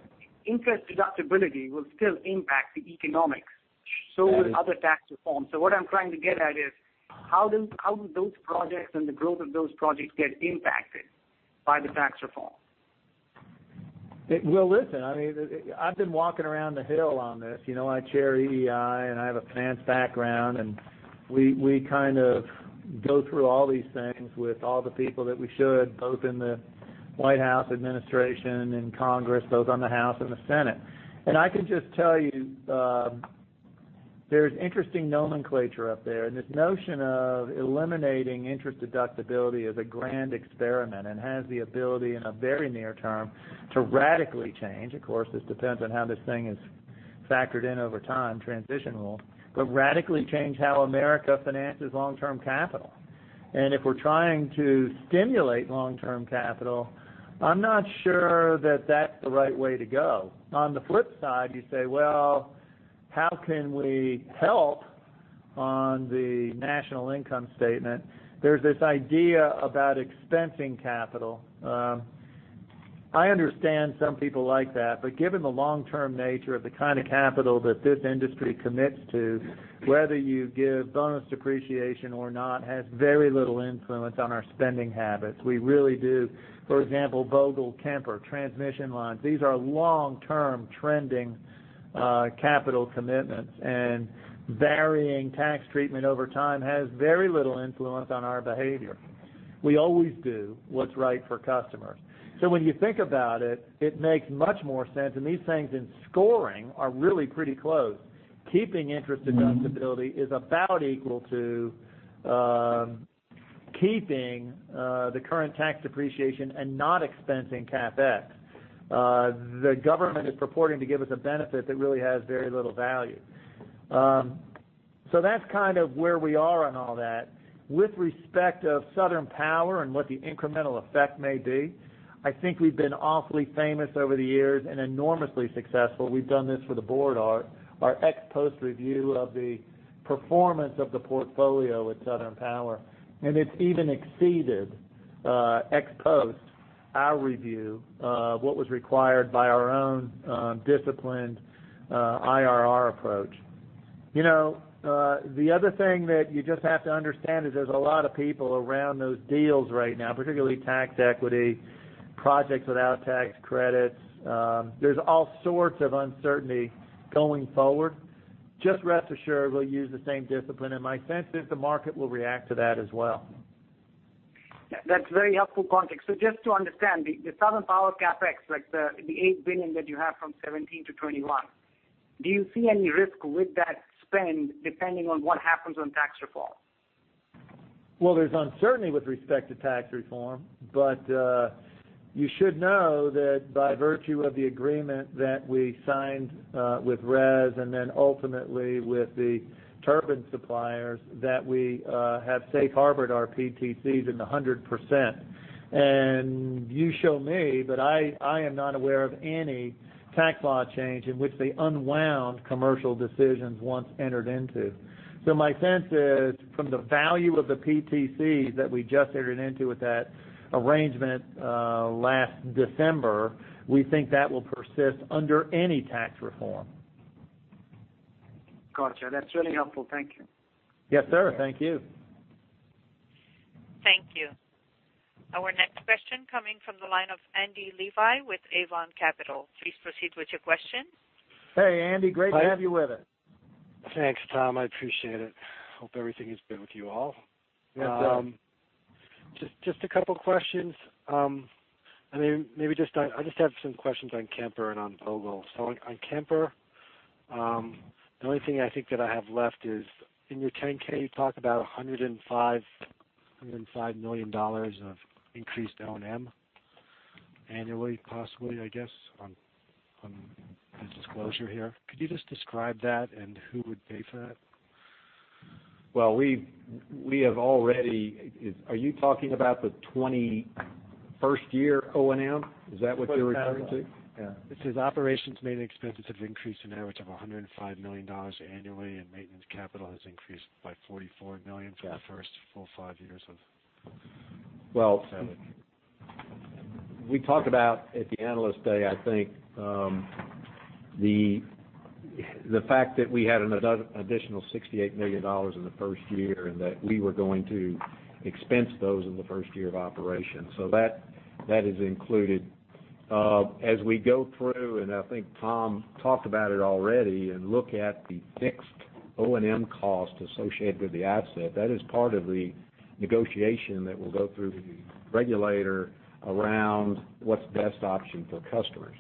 Interest deductibility will still impact the economics. Will other tax reforms. What I'm trying to get at is, how do those projects and the growth of those projects get impacted by the tax reform? Well, listen, I've been walking around the Hill on this. I chair EEI, and I have a finance background, and we kind of go through all these things with all the people that we should, both in the White House administration and Congress, both on the House and the Senate. I can just tell you, there's interesting nomenclature up there, and this notion of eliminating interest deductibility is a grand experiment and has the ability in a very near term to radically change. Of course, this depends on how this thing is factored in over time, transitional. Radically change how America finances long-term capital. If we're trying to stimulate long-term capital, I'm not sure that that's the right way to go. On the flip side, you say, well, how can we help on the national income statement? There's this idea about expensing capital. Given the long-term nature of the kind of capital that this industry commits to, whether you give bonus depreciation or not has very little influence on our spending habits. We really do, for example, Vogtle, Kemper, transmission lines. These are long-term trending capital commitments, and varying tax treatment over time has very little influence on our behavior. We always do what's right for customers. When you think about it makes much more sense, and these things in scoring are really pretty close. Keeping interest deductibility is about equal to keeping the current tax depreciation and not expensing CapEx. The government is purporting to give us a benefit that really has very little value. That's kind of where we are on all that. With respect of Southern Power and what the incremental effect may be, I think we've been awfully famous over the years and enormously successful. We've done this for the board, our ex post review of the performance of the portfolio at Southern Power, and it's even exceeded, ex post our review, what was required by our own disciplined IRR approach. The other thing that you just have to understand is there's a lot of people around those deals right now, particularly tax equity, projects without tax credits. There's all sorts of uncertainty going forward. Just rest assured we'll use the same discipline, and my sense is the market will react to that as well. That's very helpful context. Just to understand, the Southern Power CapEx, the $8 billion that you have from 2017 to 2021, do you see any risk with that spend depending on what happens on tax reform? There's uncertainty with respect to tax reform. You should know that by virtue of the agreement that we signed with RES and then ultimately with the turbine suppliers, that we have safe harbored our PTCs in the 100%. You show me, but I am not aware of any tax law change in which they unwound commercial decisions once entered into. My sense is, from the value of the PTC that we just entered into with that arrangement last December, we think that will persist under any tax reform. Got you. That's really helpful. Thank you. Yes, sir. Thank you. Thank you. Our next question coming from the line of Andy Levi with Avon Capital. Please proceed with your question. Hey, Andy. Great to have you with us. Thanks, Tom. I appreciate it. Hope everything is good with you all. Yes, sir. Just a couple questions. I just have some questions on Kemper and on Vogtle. On Kemper, the only thing I think that I have left is, in your 10-K, you talk about $105 million of increased O&M annually, possibly, I guess, on the disclosure here. Could you just describe that and who would pay for that? Are you talking about the first year O&M? Is that what you're referring to? Yeah. It says operations maintenance expenses have increased an average of $105 million annually, and maintenance capital has increased by $44 million for the first full five years. We talked about at the Analyst Day, I think, the fact that we had an additional $68 million in the first year, and that we were going to expense those in the first year of operation. That is included. As we go through, and I think Tom talked about it already, and look at the fixed O&M cost associated with the asset, that is part of the negotiation that will go through the regulator around what's the best option for customers.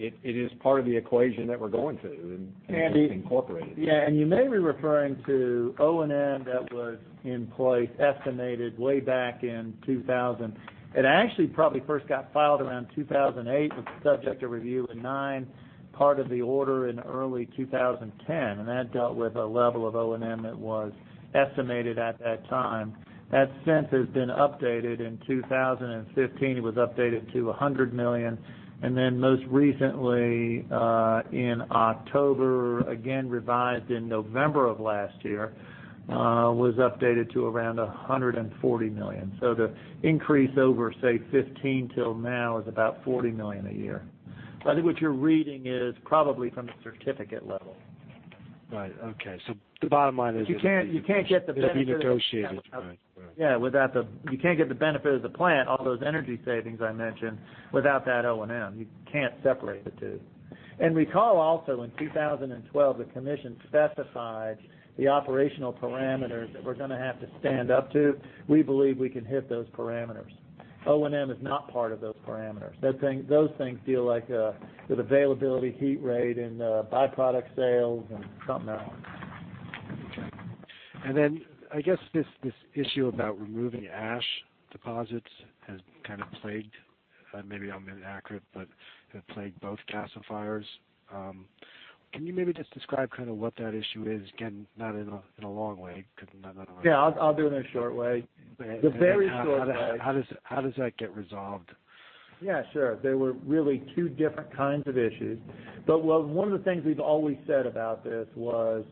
It is part of the equation that we're going through and incorporated. Yeah. You may be referring to O&M that was in place, estimated way back in 2000. It actually probably first got filed around 2008. It was subject to review in 2009, part of the order in early 2010. That dealt with a level of O&M that was estimated at that time. That since has been updated in 2015. It was updated to $100 million. Then most recently, in October, again, revised in November of last year, was updated to around $140 million. The increase over, say, 2015 till now is about $40 million a year. I think what you're reading is probably from the certificate level. Right. Okay. The bottom line is that you can't get the benefit. It will be negotiated. Right. Yeah. You can't get the benefit of the plant, all those energy savings I mentioned, without that O&M. You can't separate the two. Recall also in 2012, the commission specified the operational parameters that we're going to have to stand up to. We believe we can hit those parameters. O&M is not part of those parameters. Those things deal like with availability, heat rate, and byproduct sales and something else. Okay. I guess this issue about removing ash deposits has kind of plagued, maybe I'm inaccurate, but has plagued both gasifiers. Can you maybe just describe what that issue is? Again, not in a long way. Yeah, I'll do it in a short way. The very short way. How does that get resolved? Yeah, sure. They were really two different kinds of issues. One of the things we've always said about this was,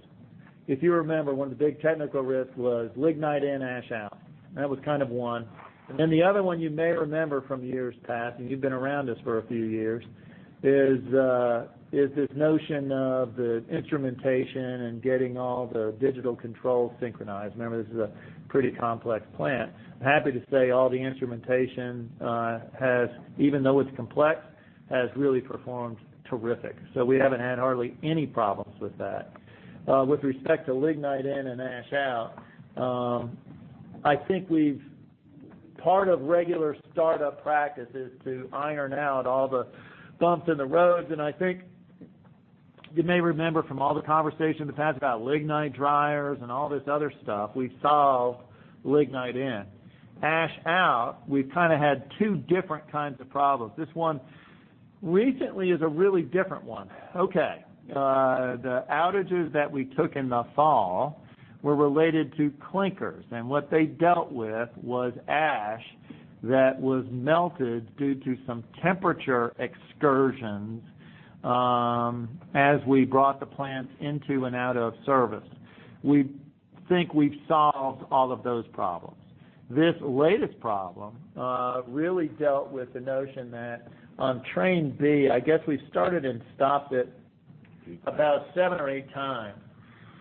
if you remember, one of the big technical risks was lignite in, ash out. That was kind of one. The other one you may remember from years past, and you've been around us for a few years, is this notion of the instrumentation and getting all the digital controls synchronized. Remember, this is a pretty complex plant. I'm happy to say all the instrumentation has, even though it's complex, has really performed terrific. We haven't had hardly any problems with that. With respect to lignite in and ash out, I think part of regular startup practice is to iron out all the bumps in the roads. I think you may remember from all the conversations in the past about lignite dryers and all this other stuff, we've solved lignite in. Ash out, we've kind of had two different kinds of problems. This one recently is a really different one. Okay. The outages that we took in the fall were related to clinkers, what they dealt with was ash that was melted due to some temperature excursions as we brought the plants into and out of service. We think we've solved all of those problems. This latest problem really dealt with the notion that on train B, I guess we started and stopped it about seven or eight times.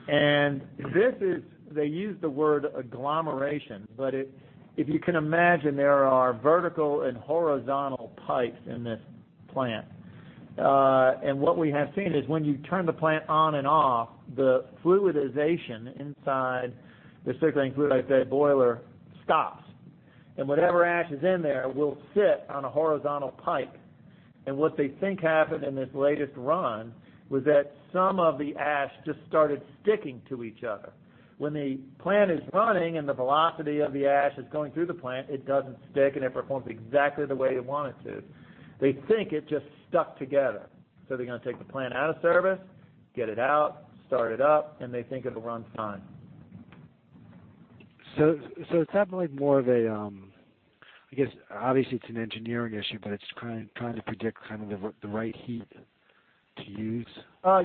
They use the word agglomeration, but if you can imagine, there are vertical and horizontal pipes in this plant. What we have seen is when you turn the plant on and off, the fluidization inside the circulating fluidized bed boiler stops. Whatever ash is in there will sit on a horizontal pipe. What they think happened in this latest run was that some of the ash just started sticking to each other. When the plant is running and the velocity of the ash is going through the plant, it doesn't stick, and it performs exactly the way you want it to. They think it just stuck together. They're going to take the plant out of service, get it out, start it up, and they think it'll run fine. It's happening more of a, I guess, obviously, it's an engineering issue, but it's trying to predict the right heat to use.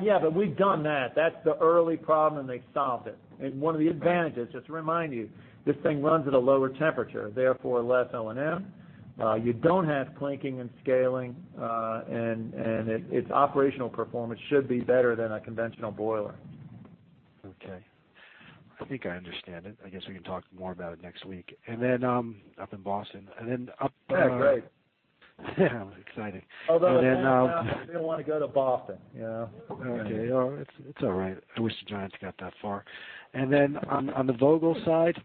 Yeah, we've done that. That's the early problem, and they've solved it. One of the advantages, just to remind you, this thing runs at a lower temperature, therefore less O&M. You don't have clinking and scaling, and its operational performance should be better than a conventional boiler. Okay. I think I understand it. I guess we can talk more about it next week. Up in Boston. Yeah, great. Yeah, exciting. Although, as it turns out, I didn't want to go to Boston. Okay. It's all right. I wish the Giants got that far. On the Vogtle side.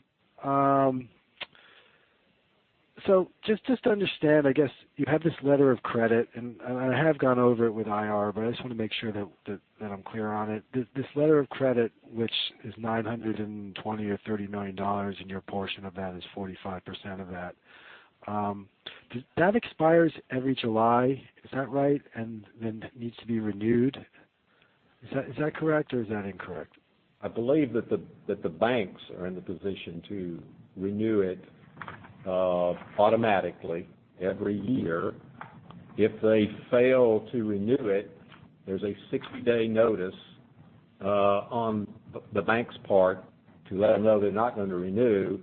Just to understand, I guess, you have this letter of credit, and I have gone over it with IR, but I just want to make sure that I'm clear on it. This letter of credit, which is $920 million or $930 million, and your portion of that is 45% of that. That expires every July. Is that right? That needs to be renewed. Is that correct, or is that incorrect? I believe that the banks are in the position to renew it automatically every year. If they fail to renew it, there's a 60-day notice on the bank's part to let them know they're not going to renew.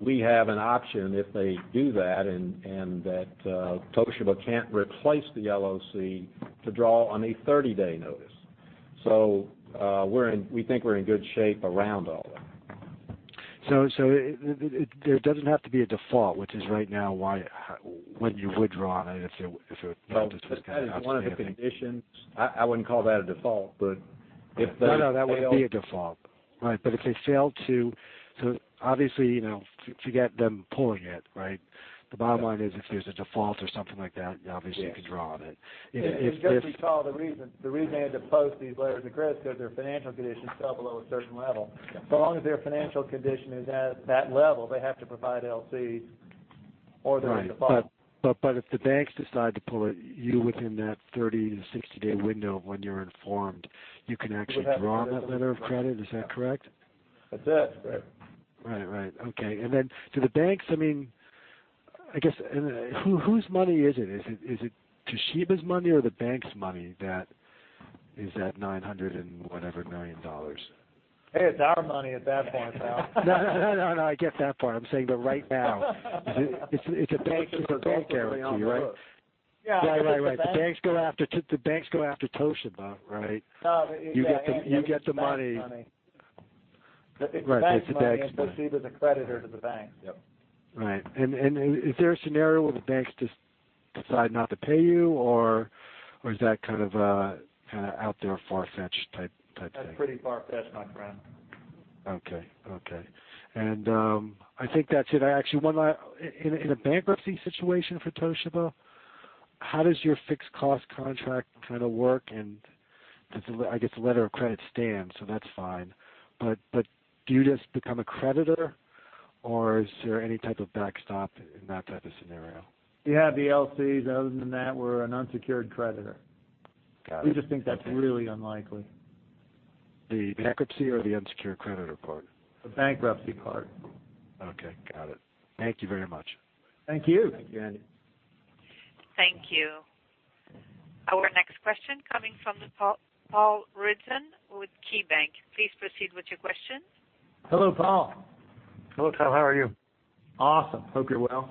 We have an option if they do that and that Toshiba can't replace the LOC to draw on a 30-day notice. We think we're in good shape around all that. There doesn't have to be a default, which is right now why when you would draw on it. That is one of the conditions. I wouldn't call that a default. If they fail. No, that wouldn't be a default. Right. If they fail to, obviously, forget them pulling it, right? The bottom line is if there's a default or something like that, obviously you can draw on it. If this. Just recall the reason. The reason they had to post these letters of credit is because their financial conditions fell below a certain level. Long as their financial condition is at that level, they have to provide LCs or they're in default. Right. If the banks decide to pull it, you within that 30-60-day window when you're informed, you can actually draw on that letter of credit. Is that correct? That's it. Right. Right. Okay. Then do the banks, I guess, whose money is it? Is it Toshiba's money or the bank's money that is that $900 and whatever million? It's our money at that point, Paul. No, I get that part. I'm saying, right now, it's a bank guarantee, right? Yeah. Right. The banks go after Toshiba, right? No, but you've got- You get the money. It's the bank's money. Right. It's the bank's money. Toshiba's a creditor to the banks. Yep. Is there a scenario where the banks just decide not to pay you or is that kind of out there far-fetched type thing? That's pretty far-fetched, my friend. Okay. I think that's it. Actually, one last. In a bankruptcy situation for Toshiba, how does your fixed cost contract work, I guess the LCs stands, that's fine. Do you just become a creditor, or is there any type of backstop in that type of scenario? You have the LCs. Other than that, we're an unsecured creditor. Got it. Okay. We just think that's really unlikely. The bankruptcy or the unsecured creditor part? The bankruptcy part. Okay, got it. Thank you very much. Thank you. Thank you, Andy. Thank you. Our next question coming from Paul Ridzon with KeyBank. Please proceed with your question. Hello, Paul. Hello, Tom. How are you? Awesome. Hope you're well.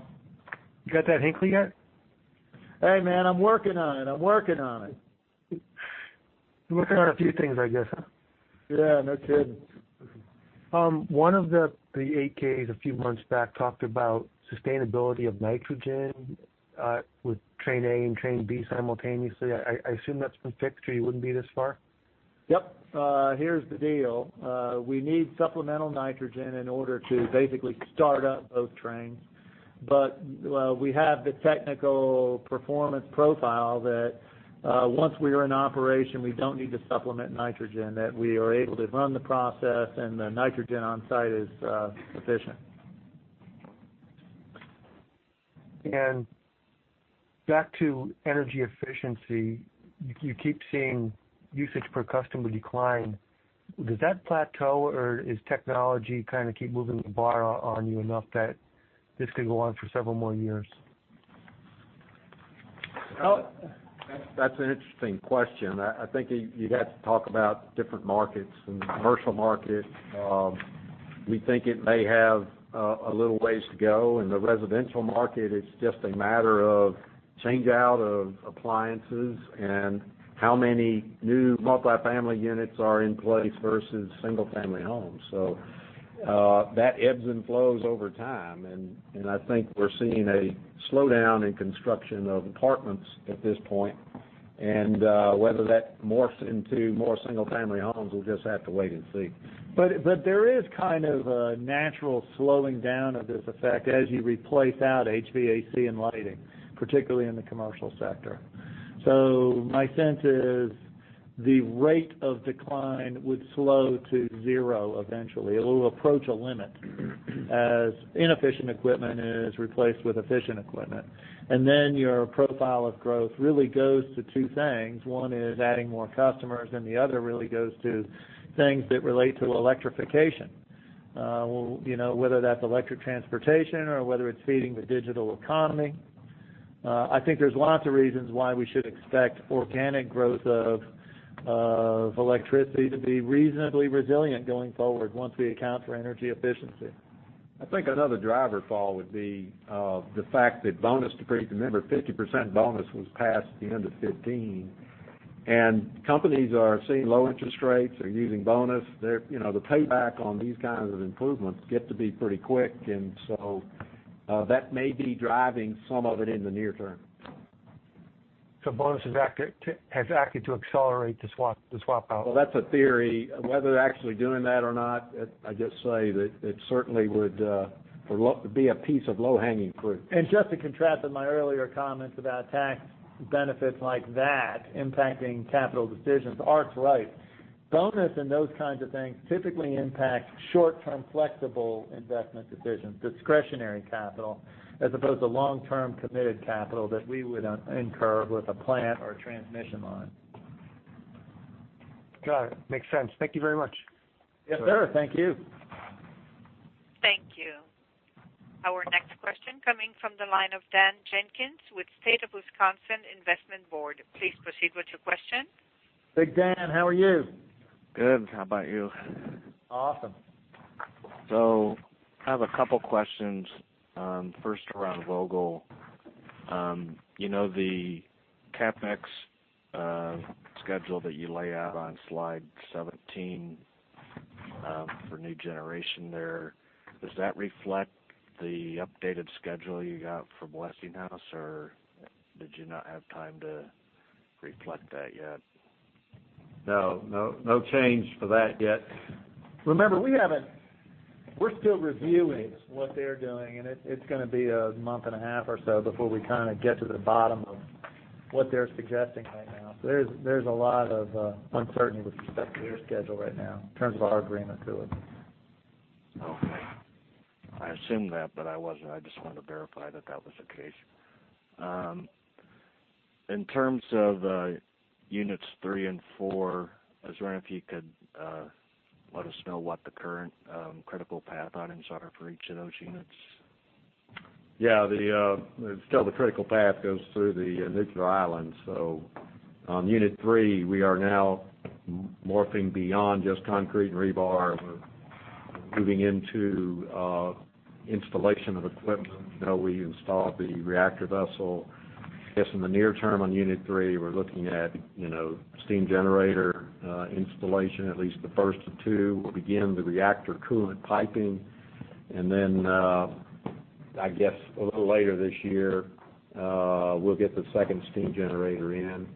You got that Hinkley yet? Hey, man, I'm working on it. You're working on a few things, I guess, huh? Yeah, no kidding. One of the 8-Ks a few months back talked about sustainability of nitrogen with train A and train B simultaneously. I assume that's been fixed, or you wouldn't be this far? Yep. Here's the deal. We need supplemental nitrogen in order to basically start up both trains. We have the technical performance profile that once we are in operation, we don't need to supplement nitrogen, that we are able to run the process and the nitrogen on site is sufficient. Back to energy efficiency. You keep seeing usage per customer decline. Does that plateau, or is technology kind of keep moving the bar on you enough that this could go on for several more years? That's an interesting question. I think you'd have to talk about different markets. In the commercial market, we think it may have a little ways to go. In the residential market, it's just a matter of change out of appliances and how many new multi-family units are in place versus single-family homes. That ebbs and flows over time, and I think we're seeing a slowdown in construction of apartments at this point. Whether that morphs into more single-family homes, we'll just have to wait and see. There is a natural slowing down of this effect as you replace out HVAC and lighting, particularly in the commercial sector. My sense is the rate of decline would slow to zero eventually. It will approach a limit as inefficient equipment is replaced with efficient equipment. Then your profile of growth really goes to two things. One is adding more customers, and the other really goes to things that relate to electrification. Whether that's electric transportation or whether it's feeding the digital economy. I think there's lots of reasons why we should expect organic growth of electricity to be reasonably resilient going forward once we account for energy efficiency. I think another driver, Paul, would be the fact that bonus depreciation. Remember, 50% bonus was passed at the end of 2015, and companies are seeing low interest rates. They're using bonus. The payback on these kinds of improvements get to be pretty quick. That may be driving some of it in the near term. Bonus has acted to accelerate the swap out? Well, that's a theory. Whether they're actually doing that or not, I just say that it certainly would be a piece of low-hanging fruit. Just to contrast my earlier comments about tax benefits like that impacting capital decisions, Art's right. Bonus and those kinds of things typically impact short-term flexible investment decisions, discretionary capital, as opposed to long-term committed capital that we would incur with a plant or a transmission line. Got it. Makes sense. Thank you very much. Yes, sir. Thank you. Thank you. Our next question coming from the line of Dan Jenkins with State of Wisconsin Investment Board. Please proceed with your question. Hey, Dan, how are you? Good. How about you? Awesome. I have a couple questions. First, around Vogtle. The CapEx schedule that you lay out on slide 17 for new generation there, does that reflect the updated schedule you got from Westinghouse, or did you not have time to reflect that yet? No. No change for that yet. Remember, we're still reviewing what they're doing, and it's going to be a month and a half or so before we get to the bottom of what they're suggesting right now. There's a lot of uncertainty with respect to their schedule right now in terms of our agreement to it. Okay. I assumed that, but I just wanted to verify that that was the case. In terms of units 3 and 4, I was wondering if you could let us know what the current critical path items are for each of those units. Yeah. Still the critical path goes through the nuclear island. On unit 3, we are now morphing beyond just concrete and rebar. We're moving into installation of equipment. We installed the reactor vessel. I guess in the near term on unit 3, we're looking at steam generator installation, at least the first of two. We'll begin the reactor coolant piping. Then I guess a little later this year, we'll get the second steam generator in,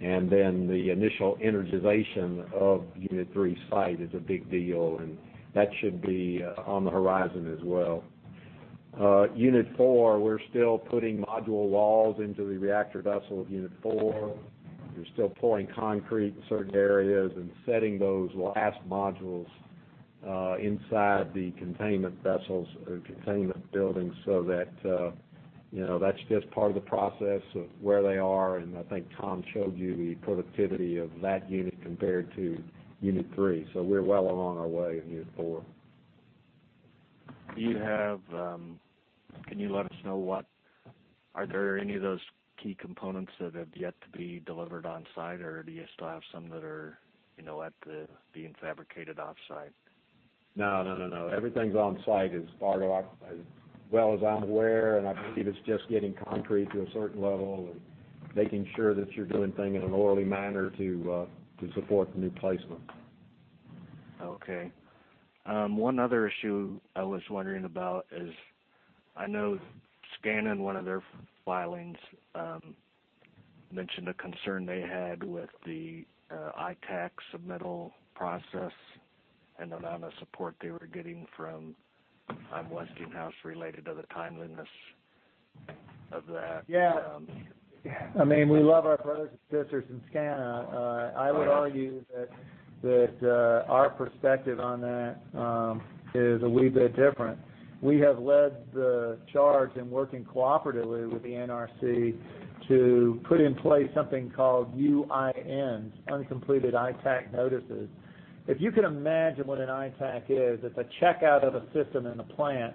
and then the initial energization of unit 3's site is a big deal, and that should be on the horizon as well. Unit 4, we're still putting module walls into the reactor vessel of unit 4. We're still pouring concrete in certain areas and setting those last modules inside the containment vessels or containment buildings. That's just part of the process of where they are, and I think Tom showed you the productivity of that unit compared to unit 3. We're well along our way in unit 4. Can you let us know, are there any of those key components that have yet to be delivered on-site, or do you still have some that are being fabricated off-site? No. Everything's on-site as well as I'm aware, and I believe it's just getting concrete to a certain level and making sure that you're doing things in an orderly manner to support new placement. Okay. One other issue I was wondering about is, I know SCANA in one of their filings mentioned a concern they had with the ITAAC submittal process and the amount of support they were getting from Westinghouse related to the timeliness of that. Yeah. We love our brothers and sisters in SCANA. I would argue that our perspective on that is a wee bit different. We have led the charge in working cooperatively with the NRC to put in place something called UIN, uncompleted ITAAC notices. If you can imagine what an ITAAC is, it's a checkout of a system in a plant.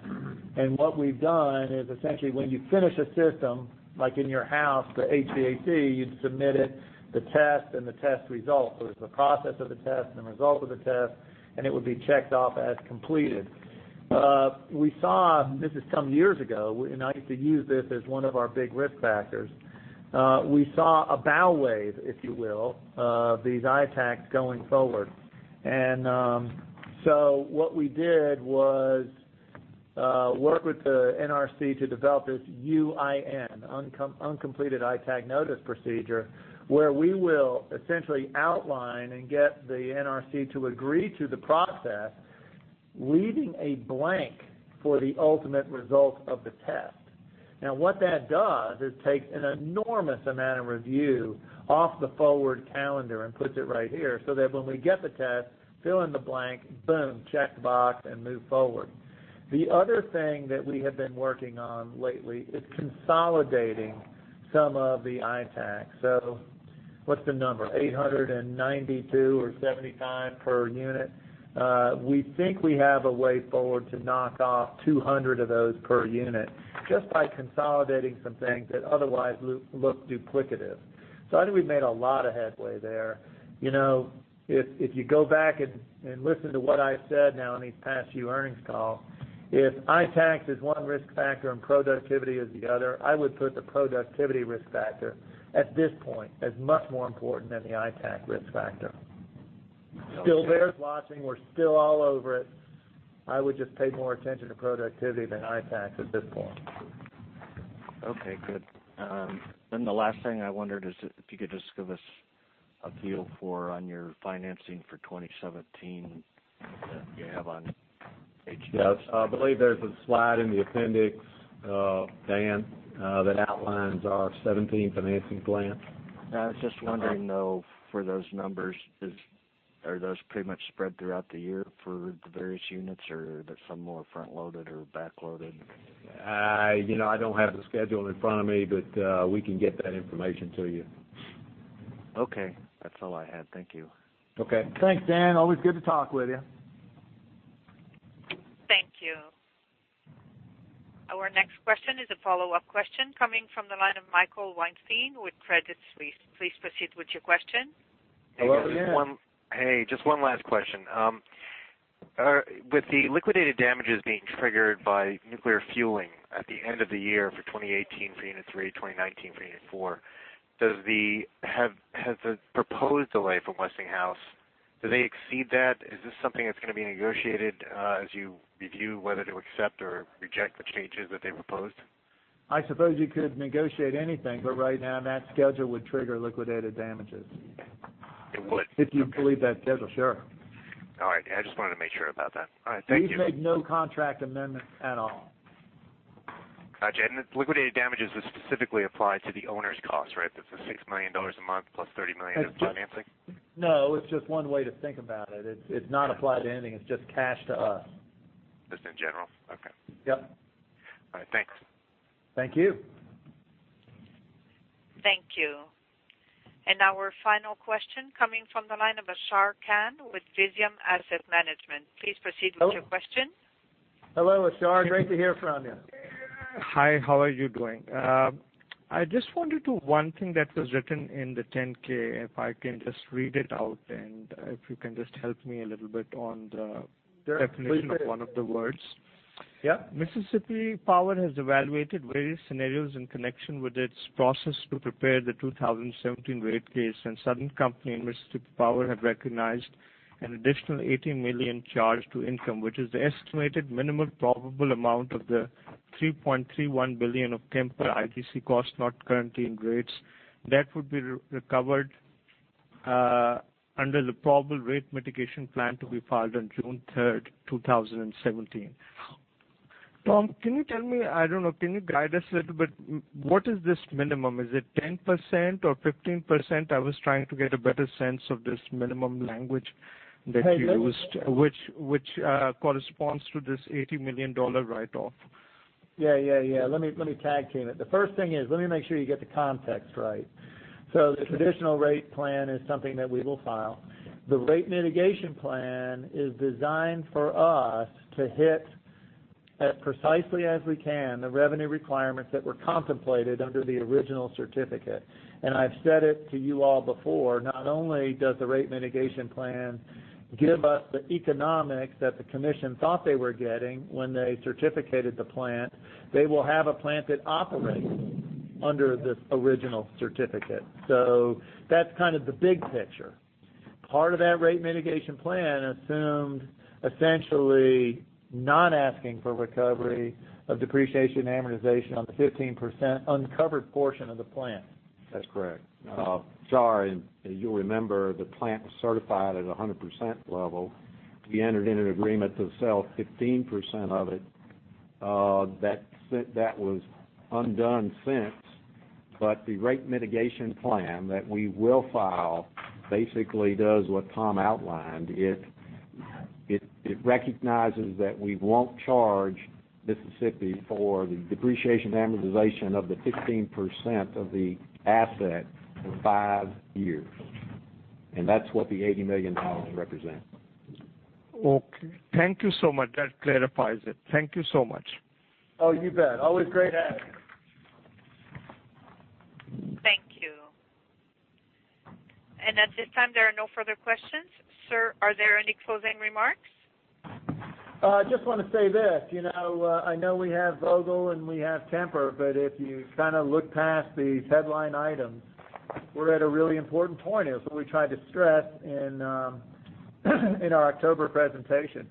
What we've done is essentially when you finish a system, like in your house, the HVAC, you'd submit it, the test, and the test results. It's the process of the test and the result of the test, and it would be checked off as completed. This is some years ago, and I used to use this as one of our big risk factors. We saw a bow wave, if you will, of these ITAACs going forward. What we did was Work with the NRC to develop this UIN, uncompleted ITAAC notice procedure, where we will essentially outline and get the NRC to agree to the process, leaving a blank for the ultimate result of the test. What that does is takes an enormous amount of review off the forward calendar and puts it right here, so that when we get the test, fill in the blank, boom, check the box and move forward. The other thing that we have been working on lately is consolidating some of the ITAACs. What's the number? 892 or 75 per unit. We think we have a way forward to knock off 200 of those per unit just by consolidating some things that otherwise look duplicative. I think we've made a lot of headway there. If you go back and listen to what I've said now in these past few earnings calls, if ITAACs is one risk factor and productivity is the other, I would put the productivity risk factor, at this point, as much more important than the ITAAC risk factor. Still bears watching. We're still all over it. I would just pay more attention to productivity than ITAACs at this point. Okay, good. The last thing I wondered is if you could just give us a feel for on your financing for 2017 that you have on page? Yes. I believe there's a slide in the appendix, Dan, that outlines our 2017 financing plan. I was just wondering, though, for those numbers, are those pretty much spread throughout the year for the various units, or are some more front-loaded or back-loaded? I don't have the schedule in front of me, but we can get that information to you. Okay. That's all I had. Thank you. Okay. Thanks, Dan. Always good to talk with you. Thank you. Our next question is a follow-up question coming from the line of Michael Weinstein with Credit Suisse. Please proceed with your question. Hello again. Hey, just one last question. With the liquidated damages being triggered by nuclear fueling at the end of the year for 2018 for unit three, 2019 for unit four, has the proposed delay from Westinghouse, do they exceed that? Is this something that's going to be negotiated as you review whether to accept or reject the changes that they proposed? I suppose you could negotiate anything, but right now, that schedule would trigger liquidated damages. It would? If you believe that schedule, sure. All right. I just wanted to make sure about that. All right. Thank you. We've made no contract amendments at all. Gotcha. The liquidated damages would specifically apply to the owner's costs, right? That's the $6 million a month plus $30 million of financing. No, it's just one way to think about it. It's not applied to anything. It's just cash to us. Just in general? Okay. Yep. All right. Thanks. Thank you. Thank you. Our final question coming from the line of Ashar Khan with Visium Asset Management. Please proceed with your question. Hello, Ashar. Great to hear from you. Hi, how are you doing? I just wanted to one thing that was written in the 10-K, if I can just read it out, and if you can just help me a little bit on the definition of one of the words. Yeah. Mississippi Power has evaluated various scenarios in connection with its process to prepare the 2017 rate case. Southern Company and Mississippi Power have recognized an additional $80 million charge to income, which is the estimated minimum probable amount of the $3.31 billion of Kemper IGCC costs not currently in rates. That would be recovered under the probable rate mitigation plan to be filed on June 3rd, 2017. Tom, can you tell me, I don't know, can you guide us little bit, what is this minimum? Is it 10% or 15%? I was trying to get a better sense of this minimum language that you used, which corresponds to this $80 million write-off. Yeah. Let me tag team it. The first thing is, let me make sure you get the context right. The traditional rate plan is something that we will file. The rate mitigation plan is designed for us to hit as precisely as we can, the revenue requirements that were contemplated under the original certificate. I've said it to you all before, not only does the rate mitigation plan give us the economics that the commission thought they were getting when they certificated the plant, they will have a plant that operates under this original certificate. That's kind of the big picture. Part of that rate mitigation plan assumed essentially not asking for recovery of depreciation amortization on the 15% uncovered portion of the plant. That's correct. Ashar, as you'll remember, the plant was certified at 100% level. We entered into an agreement to sell 15% of it. That was undone since, but the rate mitigation plan that we will file basically does what Tom outlined. It recognizes that we won't charge Mississippi for the depreciation and amortization of the 15% of the asset for five years. That's what the $80 million represents. Okay. Thank you so much. That clarifies it. Thank you so much. Oh, you bet. Always great to have you. Thank you. At this time, there are no further questions. Sir, are there any closing remarks? I just want to say this. I know we have Vogtle and we have Kemper, but if you kind of look past these headline items, we are at a really important point here. This is what we tried to stress in our October presentation.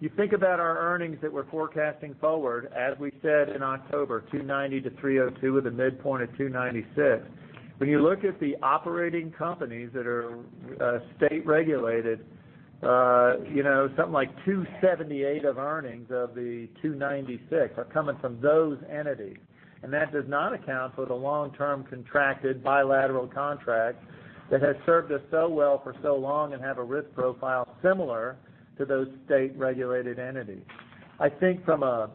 You think about our earnings that we are forecasting forward, as we said in October, $2.90-$3.02 with a midpoint of $2.96. When you look at the operating companies that are state-regulated, something like $2.78 of earnings of the $2.96 are coming from those entities. That does not account for the long-term contracted bilateral contracts that have served us so well for so long and have a risk profile similar to those state-regulated entities. I think from a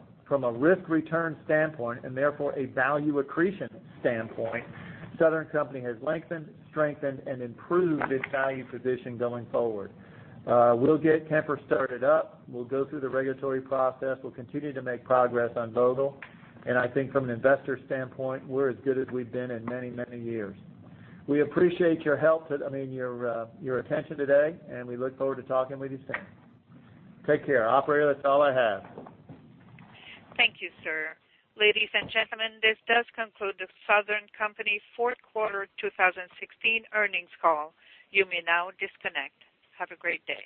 risk-return standpoint, and therefore a value accretion standpoint, Southern Company has lengthened, strengthened, and improved its value position going forward. We'll get Kemper started up. We'll go through the regulatory process. We'll continue to make progress on Vogtle. I think from an investor standpoint, we're as good as we've been in many, many years. We appreciate your help, I mean your attention today, and we look forward to talking with you soon. Take care. Operator, that's all I have. Thank you, sir. Ladies and gentlemen, this does conclude the Southern Company fourth quarter 2016 earnings call. You may now disconnect. Have a great day.